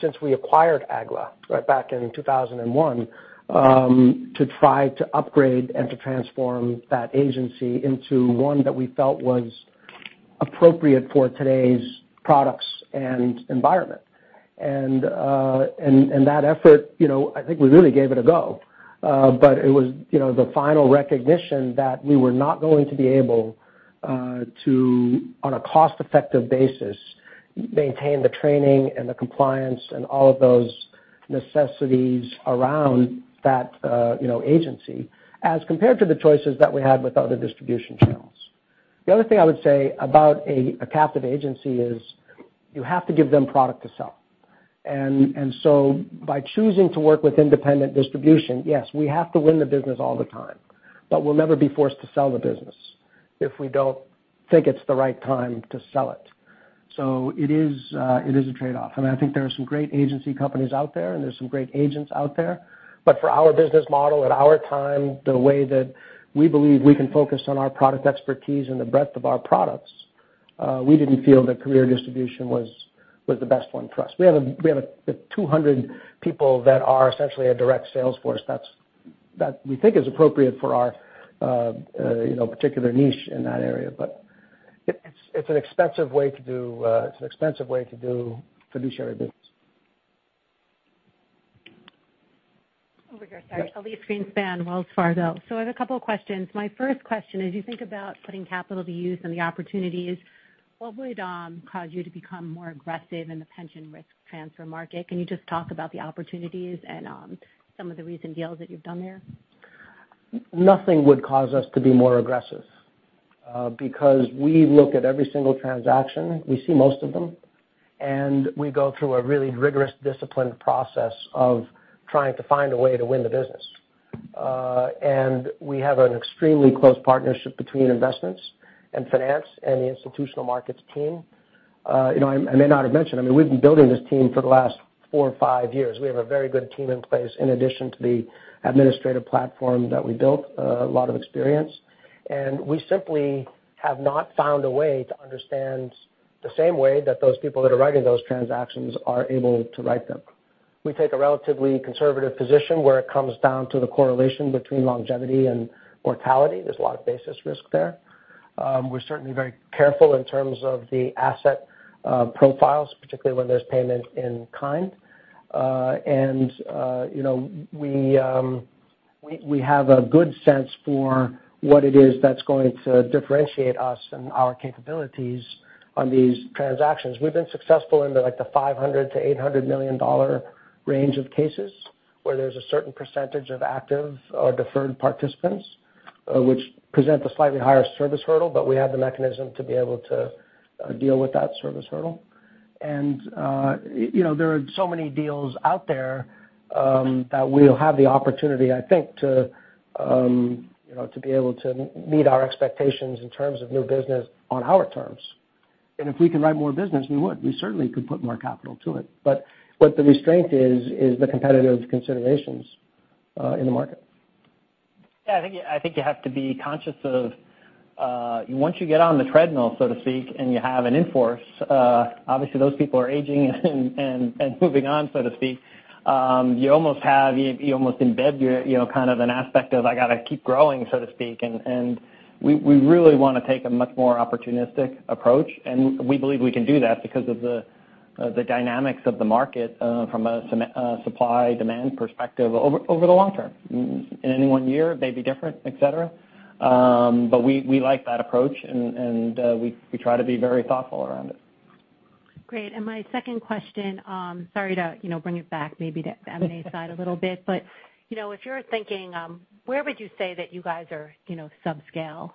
Speaker 2: since we acquired AIGLA back in 2001, to try to upgrade and to transform that agency into one that we felt was appropriate for today's products and environment. That effort, I think we really gave it a go. It was the final recognition that we were not going to be able to, on a cost-effective basis, maintain the training and the compliance and all of those necessities around that agency as compared to the choices that we had with other distribution channels. The other thing I would say about a captive agency is you have to give them product to sell. By choosing to work with independent distribution, yes, we have to win the business all the time, but we'll never be forced to sell the business if we don't think it's the right time to sell it. It is a trade-off, I think there are some great agency companies out there's some great agents out there, but for our business model at our time, the way that we believe we can focus on our product expertise and the breadth of our products, we didn't feel that career distribution was the best one for us. We have 200 people that are essentially a direct sales force that we think is appropriate for our particular niche in that area. It's an expensive way to do fiduciary business.
Speaker 10: Over here. Sorry. Elyse Greenspan, Wells Fargo. I have a couple questions. My first question is, you think about putting capital to use and the opportunities, what would cause you to become more aggressive in the pension risk transfer market? Can you just talk about the opportunities and some of the recent deals that you've done there?
Speaker 2: Nothing would cause us to be more aggressive, because we look at every single transaction. We see most of them, and we go through a really rigorous discipline process of trying to find a way to win the business. We have an extremely close partnership between investments and finance and the Institutional Markets team. I may not have mentioned, we've been building this team for the last four or five years. We have a very good team in place in addition to the administrative platform that we built, a lot of experience. We simply have not found a way to understand the same way that those people that are writing those transactions are able to write them. We take a relatively conservative position where it comes down to the correlation between longevity and mortality. There's a lot of basis risk there. We're certainly very careful in terms of the asset profiles, particularly when there's payment in kind. We have a good sense for what it is that's going to differentiate us and our capabilities on these transactions. We've been successful into the $500 million-$800 million range of cases where there's a certain percentage of active or deferred participants, which present a slightly higher service hurdle, but we have the mechanism to be able to deal with that service hurdle. There are so many deals out there that we'll have the opportunity, I think, to be able to meet our expectations in terms of new business on our terms. If we can write more business, we would. We certainly could put more capital to it. What the restraint is the competitive considerations in the market.
Speaker 3: Yeah, I think you have to be conscious of once you get on the treadmill, so to speak, and you have an in-force, obviously those people are aging and moving on, so to speak. You almost embed kind of an aspect of I got to keep growing, so to speak, and we really want to take a much more opportunistic approach, and we believe we can do that because of the dynamics of the market from a supply-demand perspective over the long term. In any one year, it may be different, et cetera. We like that approach, and we try to be very thoughtful around it.
Speaker 10: Great. My second question, sorry to bring it back maybe to the M&A side a little bit, but if you're thinking, where would you say that you guys are subscale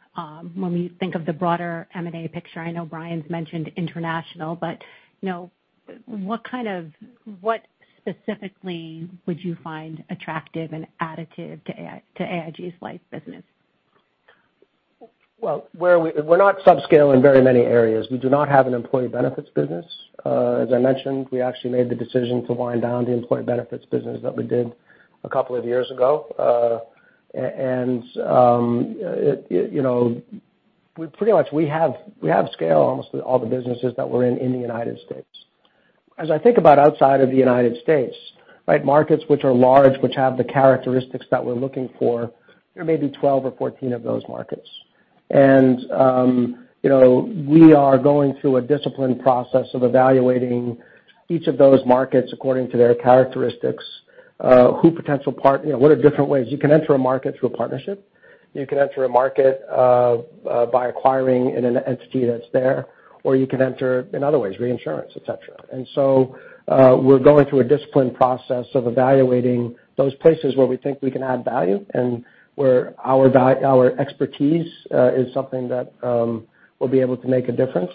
Speaker 10: when we think of the broader M&A picture? I know Brian's mentioned international, but what specifically would you find attractive and additive to AIG's life business?
Speaker 2: Well, we're not subscale in very many areas. We do not have an employee benefits business. As I mentioned, we actually made the decision to wind down the employee benefits business that we did a couple of years ago. Pretty much we have scale almost with all the businesses that we're in the U.S. As I think about outside of the U.S., markets which are large, which have the characteristics that we're looking for, there may be 12 or 14 of those markets. We are going through a disciplined process of evaluating each of those markets according to their characteristics. What are different ways? You can enter a market through a partnership. You can enter a market by acquiring an entity that's there, or you can enter in other ways, reinsurance, et cetera. We're going through a disciplined process of evaluating those places where we think we can add value and where our expertise is something that will be able to make a difference.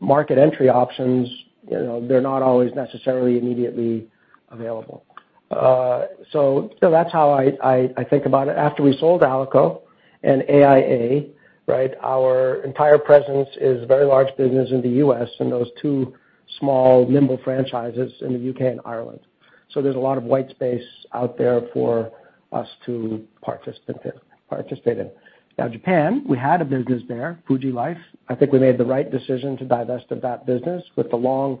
Speaker 2: Market entry options, they're not always necessarily immediately available. That's how I think about it. After we sold Alico and AIA, our entire presence is a very large business in the U.S. and those two small, nimble franchises in the U.K. and Ireland. There's a lot of white space out there for us to participate in. Now, Japan, we had a business there, Fuji Life. I think we made the right decision to divest of that business with the long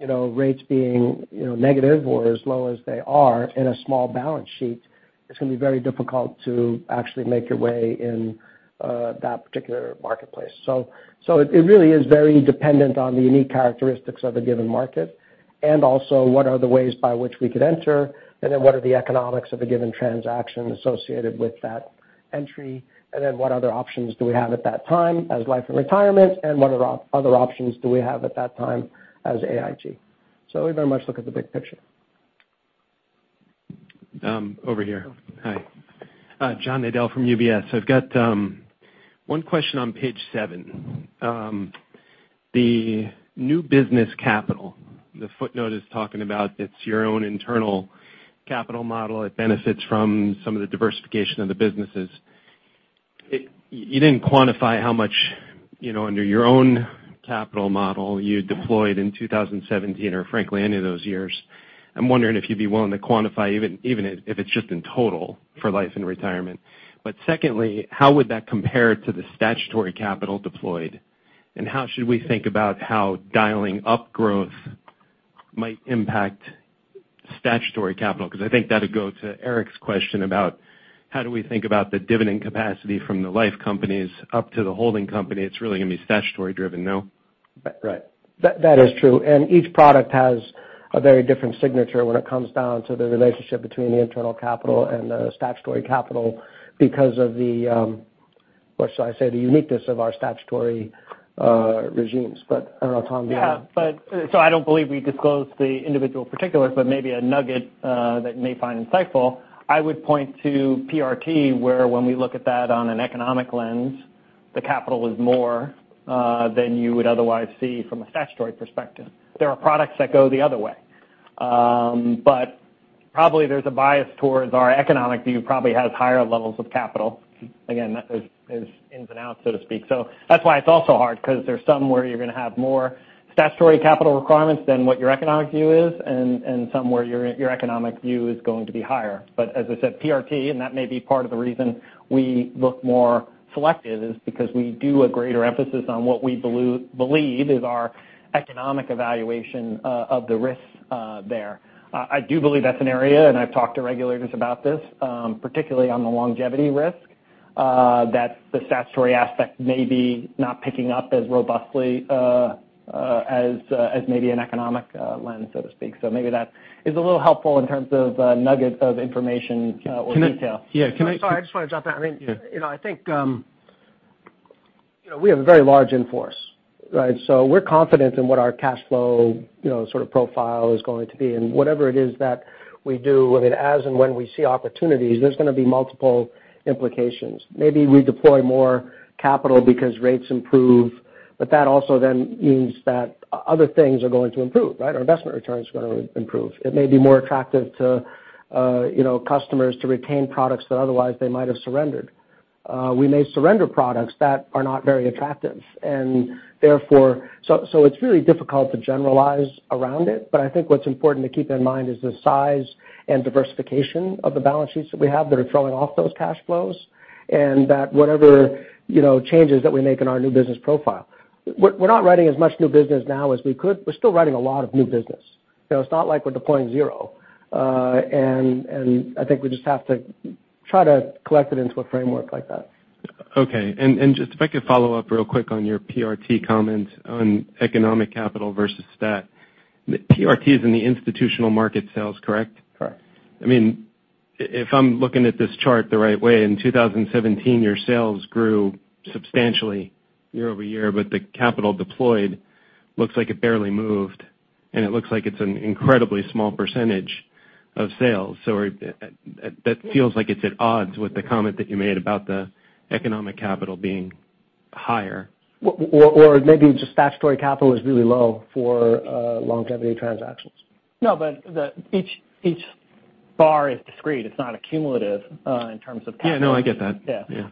Speaker 2: rates being negative or as low as they are in a small balance sheet, it's going to be very difficult to actually make your way in that particular marketplace. It really is very dependent on the unique characteristics of a given market and also what are the ways by which we could enter, what are the economics of a given transaction associated with that entry, what other options do we have at that time as Life and Retirement, and what other options do we have at that time as AIG. We very much look at the big picture.
Speaker 11: Over here. Hi. John Nadel from UBS. I've got one question on page seven. The new business capital, the footnote is talking about it's your own internal capital model. It benefits from some of the diversification of the businesses. You didn't quantify how much under your own capital model you deployed in 2017 or frankly, any of those years. I'm wondering if you'd be willing to quantify, even if it's just in total for Life and Retirement. Secondly, how would that compare to the statutory capital deployed, and how should we think about how dialing up growth might impact statutory capital? Because I think that'll go to Eric's question about how do we think about the dividend capacity from the life companies up to the holding company. It's really going to be statutory driven, no?
Speaker 2: Right. That is true. Each product has a very different signature when it comes down to the relationship between the internal capital and the statutory capital because of the, what should I say, the uniqueness of our statutory regimes. I don't know, Tom, do you-
Speaker 3: I don't believe we disclosed the individual particulars, maybe a nugget that you may find insightful, I would point to PRT, where when we look at that on an economic lens, the capital is more than you would otherwise see from a statutory perspective. There are products that go the other way. Probably there's a bias towards our economic view, probably has higher levels of capital. Again, that is ins and outs, so to speak. That's why it's also hard, because there's some where you're going to have more statutory capital requirements than what your economic view is, and some where your economic view is going to be higher. As I said, PRT, and that may be part of the reason we look more selective, is because we do a greater emphasis on what we believe is our economic evaluation of the risks there. I do believe that's an area, and I've talked to regulators about this, particularly on the longevity risk, that the statutory aspect may be not picking up as robustly as maybe an economic lens, so to speak. Maybe that is a little helpful in terms of nugget of information or detail.
Speaker 11: Can I-
Speaker 2: Sorry, I just want to jump in.
Speaker 11: Sure.
Speaker 2: I think we have a very large in-force, right? We're confident in what our cash flow sort of profile is going to be. Whatever it is that we do with it, as and when we see opportunities, there's going to be multiple implications. Maybe we deploy more capital because rates improve. That also then means that other things are going to improve, right? Our investment returns are going to improve. It may be more attractive to customers to retain products that otherwise they might have surrendered. We may surrender products that are not very attractive. It's really difficult to generalize around it, but I think what's important to keep in mind is the size and diversification of the balance sheets that we have that are throwing off those cash flows, and that whatever changes that we make in our new business profile. We're not writing as much new business now as we could. We're still writing a lot of new business. It's not like we're deploying zero. I think we just have to try to collect it into a framework like that.
Speaker 11: Okay. Just if I could follow up real quick on your PRT comment on economic capital versus stat. PRT is in the institutional market sales, correct?
Speaker 2: Correct.
Speaker 11: If I'm looking at this chart the right way, in 2017, your sales grew substantially year-over-year, the capital deployed looks like it barely moved, it looks like it's an incredibly small % of sales. That feels like it's at odds with the comment that you made about the economic capital being higher.
Speaker 2: Maybe just statutory capital is really low for longevity transactions.
Speaker 3: No, each bar is discrete. It's not a cumulative in terms of capital.
Speaker 11: Yeah, no, I get that.
Speaker 3: Yeah.
Speaker 11: Yeah.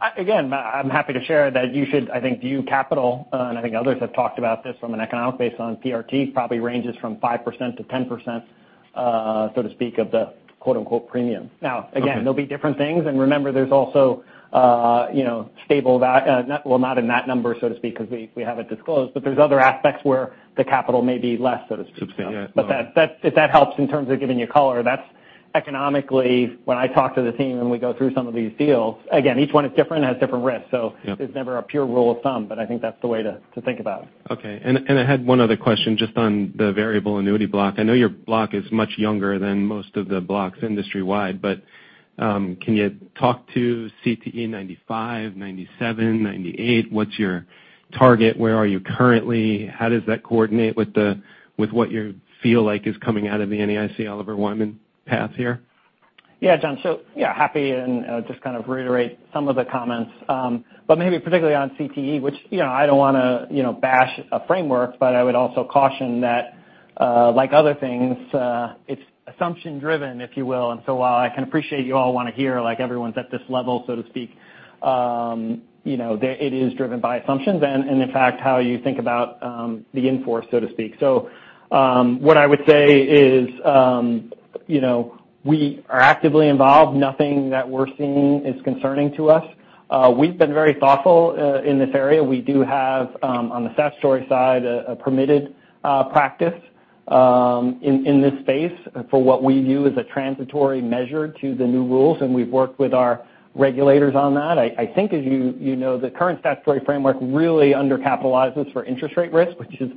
Speaker 3: I'm happy to share that you should, I think, view capital, and I think others have talked about this from an economic base on PRT, probably ranges from 5%-10%, so to speak, of the "premium." Now, again, there'll be different things, and remember, there's also stable-- Well, not in that number, so to speak, because we have it disclosed, but there's other aspects where the capital may be less, so to speak.
Speaker 11: Substantial, yeah.
Speaker 3: If that helps in terms of giving you color, that's economically, when I talk to the team and we go through some of these deals, again, each one is different, has different risks.
Speaker 11: Yep.
Speaker 3: There's never a pure rule of thumb, but I think that's the way to think about it.
Speaker 11: I had one other question just on the variable annuity block. I know your block is much younger than most of the blocks industry-wide, but can you talk to CTE '95, '97, '98? What's your target? Where are you currently? How does that coordinate with what you feel like is coming out of the NAIC Oliver Wyman path here?
Speaker 3: Yeah, John. Yeah, happy and just kind of reiterate some of the comments. Maybe particularly on CTE, which I don't want to bash a framework, but I would also caution that, like other things, it's assumption-driven, if you will. While I can appreciate you all want to hear everyone's at this level, so to speak, it is driven by assumptions and in fact, how you think about the in-force, so to speak. What I would say is We are actively involved. Nothing that we're seeing is concerning to us. We've been very thoughtful in this area. We do have, on the statutory side, a permitted practice in this space for what we view as a transitory measure to the new rules, and we've worked with our regulators on that. I think, as you know, the current statutory framework really undercapitalizes for interest rate risk, which is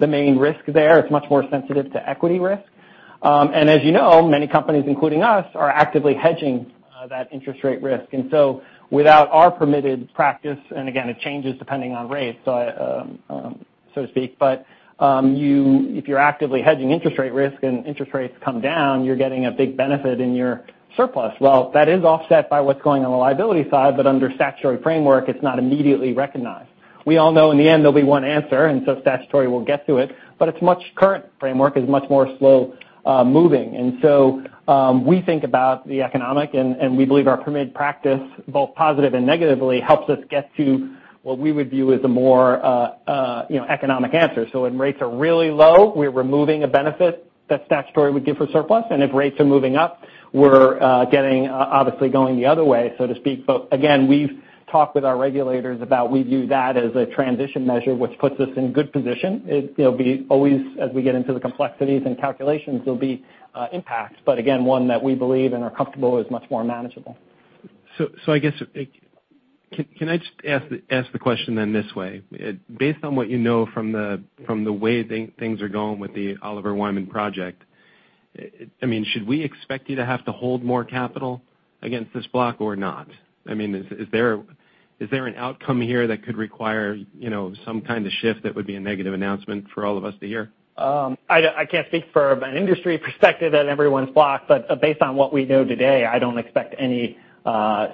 Speaker 3: the main risk there. It's much more sensitive to equity risk. As you know, many companies, including us, are actively hedging that interest rate risk. Without our permitted practice, and again, it changes depending on rates, so to speak, but if you're actively hedging interest rate risk and interest rates come down, you're getting a big benefit in your surplus. That is offset by what's going on the liability side, but under statutory framework, it's not immediately recognized. We all know in the end there'll be one answer, statutory will get to it, but its current framework is much more slow-moving. We think about the economic, and we believe our permitted practice, both positive and negatively, helps us get to what we would view as a more economic answer. When rates are really low, we're removing a benefit that statutory would give for surplus, and if rates are moving up, we're obviously going the other way, so to speak. Again, we've talked with our regulators about we view that as a transition measure, which puts us in good position. Always, as we get into the complexities and calculations, there'll be impacts, but again, one that we believe and are comfortable is much more manageable.
Speaker 11: I guess, can I just ask the question then this way? Based on what you know from the way things are going with the Oliver Wyman project, should we expect you to have to hold more capital against this block or not? Is there an outcome here that could require some kind of shift that would be a negative announcement for all of us to hear?
Speaker 3: I can't speak for an industry perspective on everyone's block, based on what we know today, I don't expect any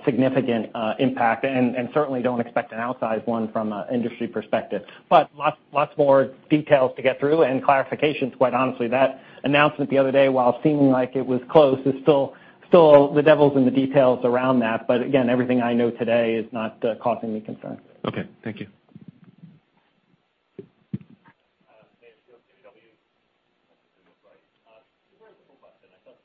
Speaker 3: significant impact, and certainly don't expect an outsized one from an industry perspective. Lots more details to get through and clarifications, quite honestly. That announcement the other day, while seeming like it was close, is still the devil's in the details around that. Again, everything I know today is not causing me concern.
Speaker 11: Okay. Thank you.
Speaker 12: Mayur Shah, BMO. I have a simple question. I felt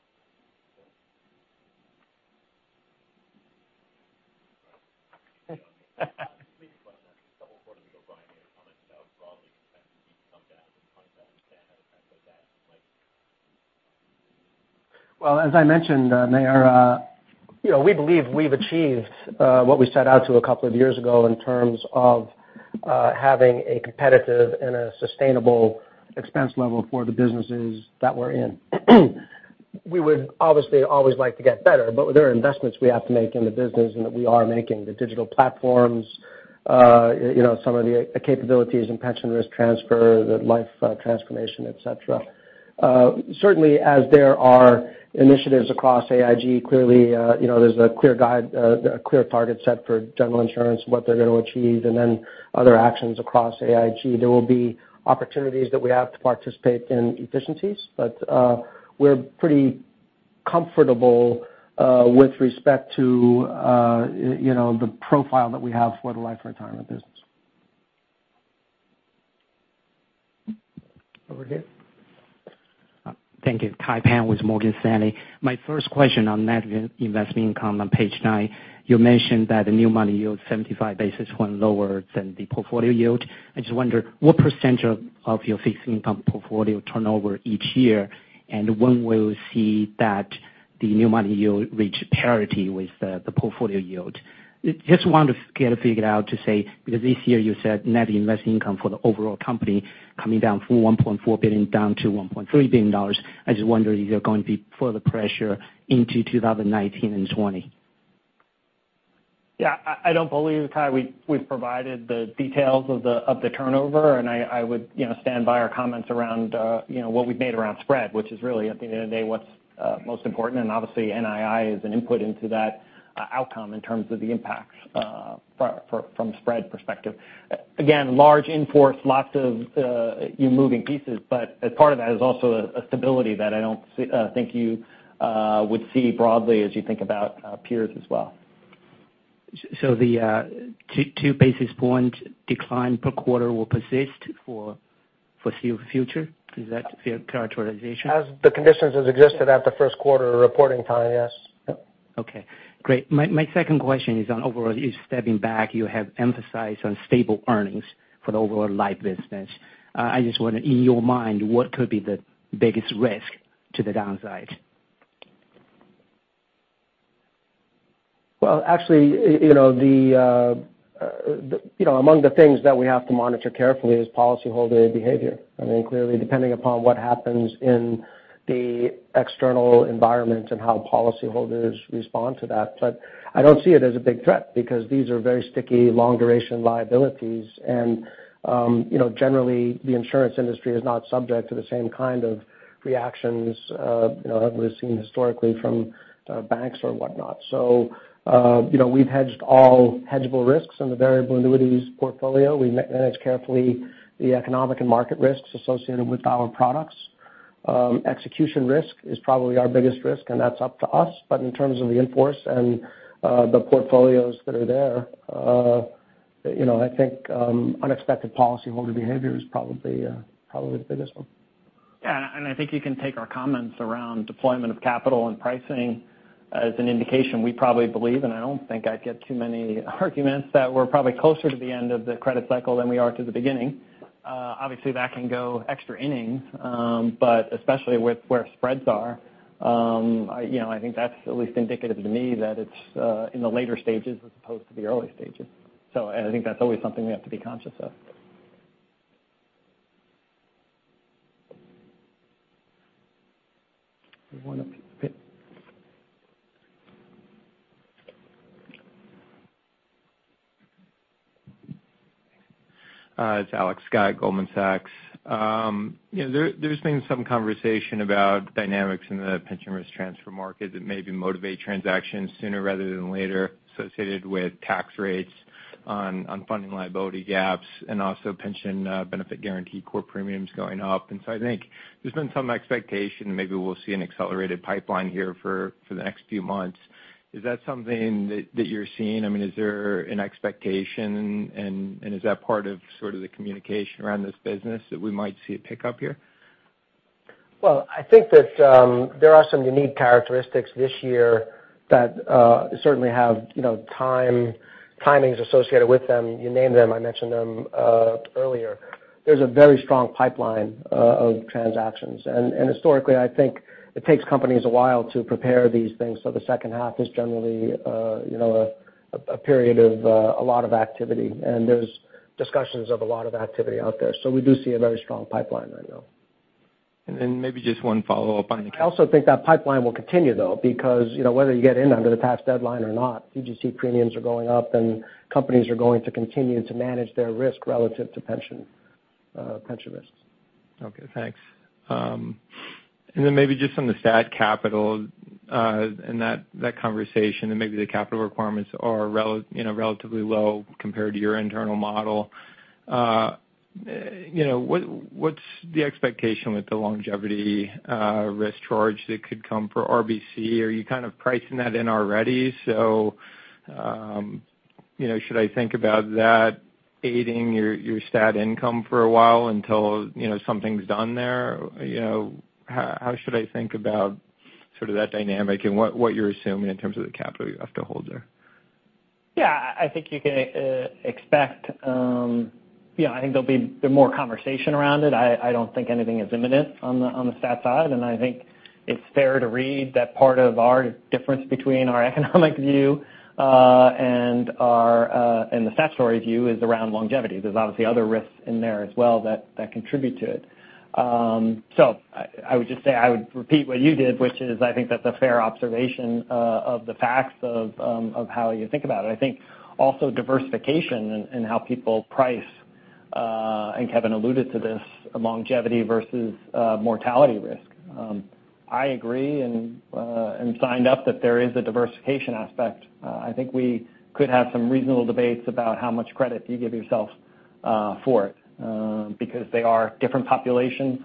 Speaker 12: couple of quarters ago, Brian made a comment about broadly expense to come down, and I'm trying to understand how you're tracking with that.
Speaker 3: Well, as I mentioned, Mayur, we believe we've achieved what we set out to a couple of years ago in terms of having a competitive and a sustainable expense level for the businesses that we're in. We would obviously always like to get better, but there are investments we have to make in the business and that we are making. The digital platforms, some of the capabilities in pension risk transfer, the life transformation, et cetera. Certainly, as there are initiatives across AIG, clearly there's a clear target set for General Insurance and what they're going to achieve, and then other actions across AIG. There will be opportunities that we have to participate in efficiencies, but we're pretty comfortable with respect to the profile that we have for the Life & Retirement business. Over here.
Speaker 13: Thank you. Kai Pan with Morgan Stanley. My first question on net investment income on page nine, you mentioned that the new money yield is 75 basis points lower than the portfolio yield. I just wonder, what percentage of your fixed income portfolio turnover each year, and when we'll see that the new money yield reach parity with the portfolio yield? Just wanted to get a figure out to say, because this year you said net investment income for the overall company coming down from $1.4 billion down to $1.3 billion. I just wonder if there are going to be further pressure into 2019 and 2020.
Speaker 3: Yeah. I don't believe, Kai, we've provided the details of the turnover, and I would stand by our comments around what we've made around spread, which is really, at the end of the day, what's most important. Obviously NII is an input into that outcome in terms of the impacts from spread perspective. Again, large in-force, lots of moving pieces, but as part of that is also a stability that I don't think you would see broadly as you think about peers as well.
Speaker 13: The two basis points decline per quarter will persist for future? Is that a fair characterization?
Speaker 3: As the conditions as existed at the first quarter reporting time, yes.
Speaker 13: Okay, great. My second question is on overall, you stepping back, you have emphasized on stable earnings for the overall life business. I just wonder, in your mind, what could be the biggest risk to the downside?
Speaker 2: Well, actually, among the things that we have to monitor carefully is policyholder behavior. Clearly, depending upon what happens in the external environment and how policyholders respond to that. I don't see it as a big threat because these are very sticky, long-duration liabilities, and generally, the insurance industry is not subject to the same kind of reactions that we've seen historically from banks or whatnot. We've hedged all hedgeable risks in the variable annuities portfolio. We manage carefully the economic and market risks associated with our products. Execution risk is probably our biggest risk, and that's up to us. In terms of the in-force and the portfolios that are there I think unexpected policyholder behavior is probably the biggest one.
Speaker 3: Yeah. I think you can take our comments around deployment of capital and pricing as an indication. We probably believe, and I don't think I'd get too many arguments, that we're probably closer to the end of the credit cycle than we are to the beginning. Obviously, that can go extra innings, but especially with where spreads are, I think that's at least indicative to me that it's in the later stages as opposed to the early stages. I think that's always something we have to be conscious of.
Speaker 2: You want to pick?
Speaker 14: It's Alex Scott, Goldman Sachs. There's been some conversation about dynamics in the pension risk transfer market that maybe motivate transactions sooner rather than later, associated with tax rates on funding liability gaps, and also Pension Benefit Guaranty Corp premiums going up. I think there's been some expectation maybe we'll see an accelerated pipeline here for the next few months. Is that something that you're seeing? I mean, is there an expectation, and is that part of the communication around this business that we might see a pickup here?
Speaker 2: Well, I think that there are some unique characteristics this year that certainly have timings associated with them. You named them, I mentioned them earlier. There's a very strong pipeline of transactions. Historically, I think it takes companies a while to prepare these things, so the second half is generally a period of a lot of activity. There's discussions of a lot of activity out there. We do see a very strong pipeline right now.
Speaker 14: maybe just one follow-up on.
Speaker 2: I also think that pipeline will continue, though, because whether you get in under the tax deadline or not, PBGC premiums are going up, and companies are going to continue to manage their risk relative to pension risks.
Speaker 14: Okay, thanks. Then maybe just on the stat capital, and that conversation, and maybe the capital requirements are relatively low compared to your internal model. What's the expectation with the longevity risk charge that could come for RBC? Are you kind of pricing that in already? Should I think about that aiding your stat income for a while until something's done there? How should I think about that dynamic, and what you're assuming in terms of the capital you have to hold there?
Speaker 3: I think there'll be more conversation around it. I don't think anything is imminent on the stat side, and I think it's fair to read that part of our difference between our economic view and the statutory view is around longevity. There's obviously other risks in there as well that contribute to it. I would just say, I would repeat what you did, which is I think that's a fair observation of the facts of how you think about it. I think also diversification and how people price, I think Kevin alluded to this, longevity versus mortality risk. I agree and signed up that there is a diversification aspect. I think we could have some reasonable debates about how much credit you give yourself for it, because they are different populations.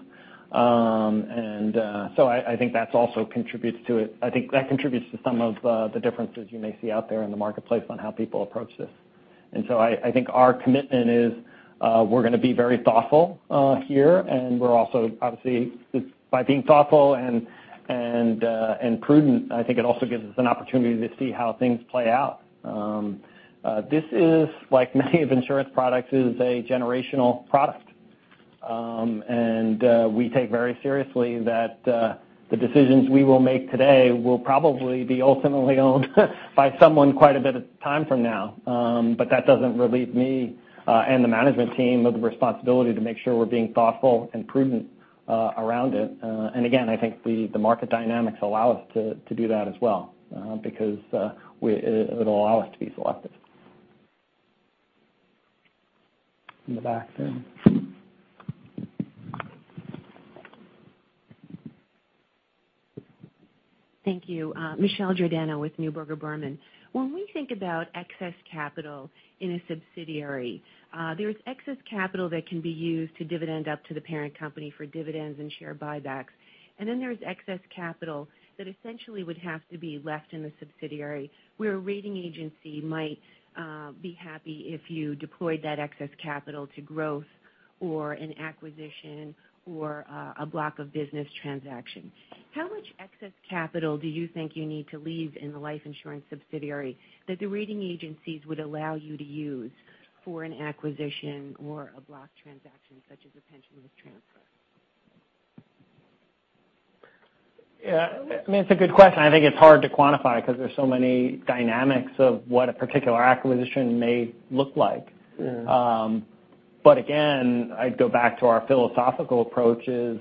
Speaker 3: I think that contributes to some of the differences you may see out there in the marketplace on how people approach this. I think our commitment is we're going to be very thoughtful here, and we're also, obviously, by being thoughtful and prudent, I think it also gives us an opportunity to see how things play out. This is, like many of insurance products, is a generational product. We take very seriously that the decisions we will make today will probably be ultimately owned by someone quite a bit of time from now. That doesn't relieve me and the management team of the responsibility to make sure we're being thoughtful and prudent around it. Again, I think the market dynamics allow us to do that as well because it'll allow us to be selective.
Speaker 2: In the back there.
Speaker 15: Thank you. Michelle Giordano with Neuberger Berman. When we think about excess capital in a subsidiary, there's excess capital that can be used to dividend up to the parent company for dividends and share buybacks. There's excess capital that essentially would have to be left in the subsidiary, where a rating agency might be happy if you deployed that excess capital to growth or an acquisition or a block of business transaction. How much excess capital do you think you need to leave in the life insurance subsidiary that the rating agencies would allow you to use for an acquisition or a block transaction, such as a pension risk transfer?
Speaker 3: Yeah, it's a good question. I think it's hard to quantify because there's so many dynamics of what a particular acquisition may look like.
Speaker 2: Yeah.
Speaker 3: Again, I'd go back to our philosophical approach is,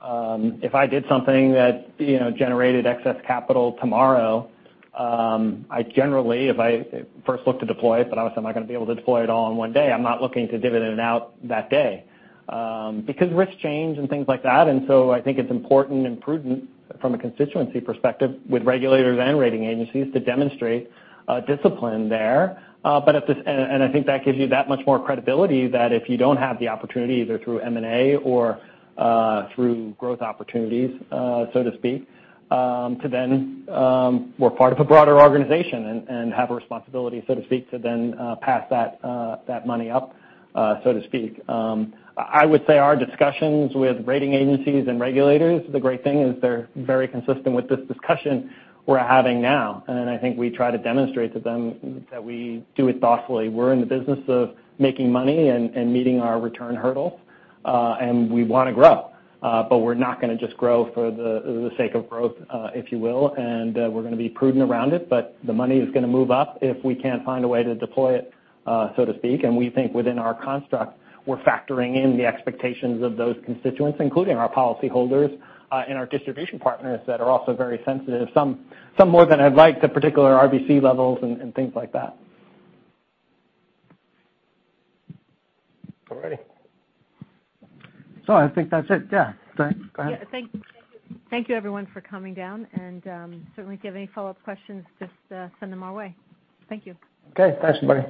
Speaker 3: if I did something that generated excess capital tomorrow, I generally, if I first look to deploy it, but obviously I'm not going to be able to deploy it all in one day, I'm not looking to dividend it out that day. Risks change and things like that, I think it's important and prudent from a constituency perspective with regulators and rating agencies to demonstrate discipline there. I think that gives you that much more credibility that if you don't have the opportunity, either through M&A or through growth opportunities, so to speak, to then we're part of a broader organization and have a responsibility, so to speak, to then pass that money up, so to speak. I would say our discussions with rating agencies and regulators, the great thing is they're very consistent with this discussion we're having now. I think we try to demonstrate to them that we do it thoughtfully. We're in the business of making money and meeting our return hurdle. We want to grow. We're not going to just grow for the sake of growth, if you will, and we're going to be prudent around it, but the money is going to move up if we can't find a way to deploy it, so to speak. We think within our construct, we're factoring in the expectations of those constituents, including our policy holders and our distribution partners that are also very sensitive, some more than I'd like, to particular RBC levels and things like that.
Speaker 2: All right. I think that's it. Yeah. Go ahead.
Speaker 1: Yeah. Thank you, everyone, for coming down. Certainly, if you have any follow-up questions, just send them our way. Thank you.
Speaker 2: Okay. Thanks, everybody.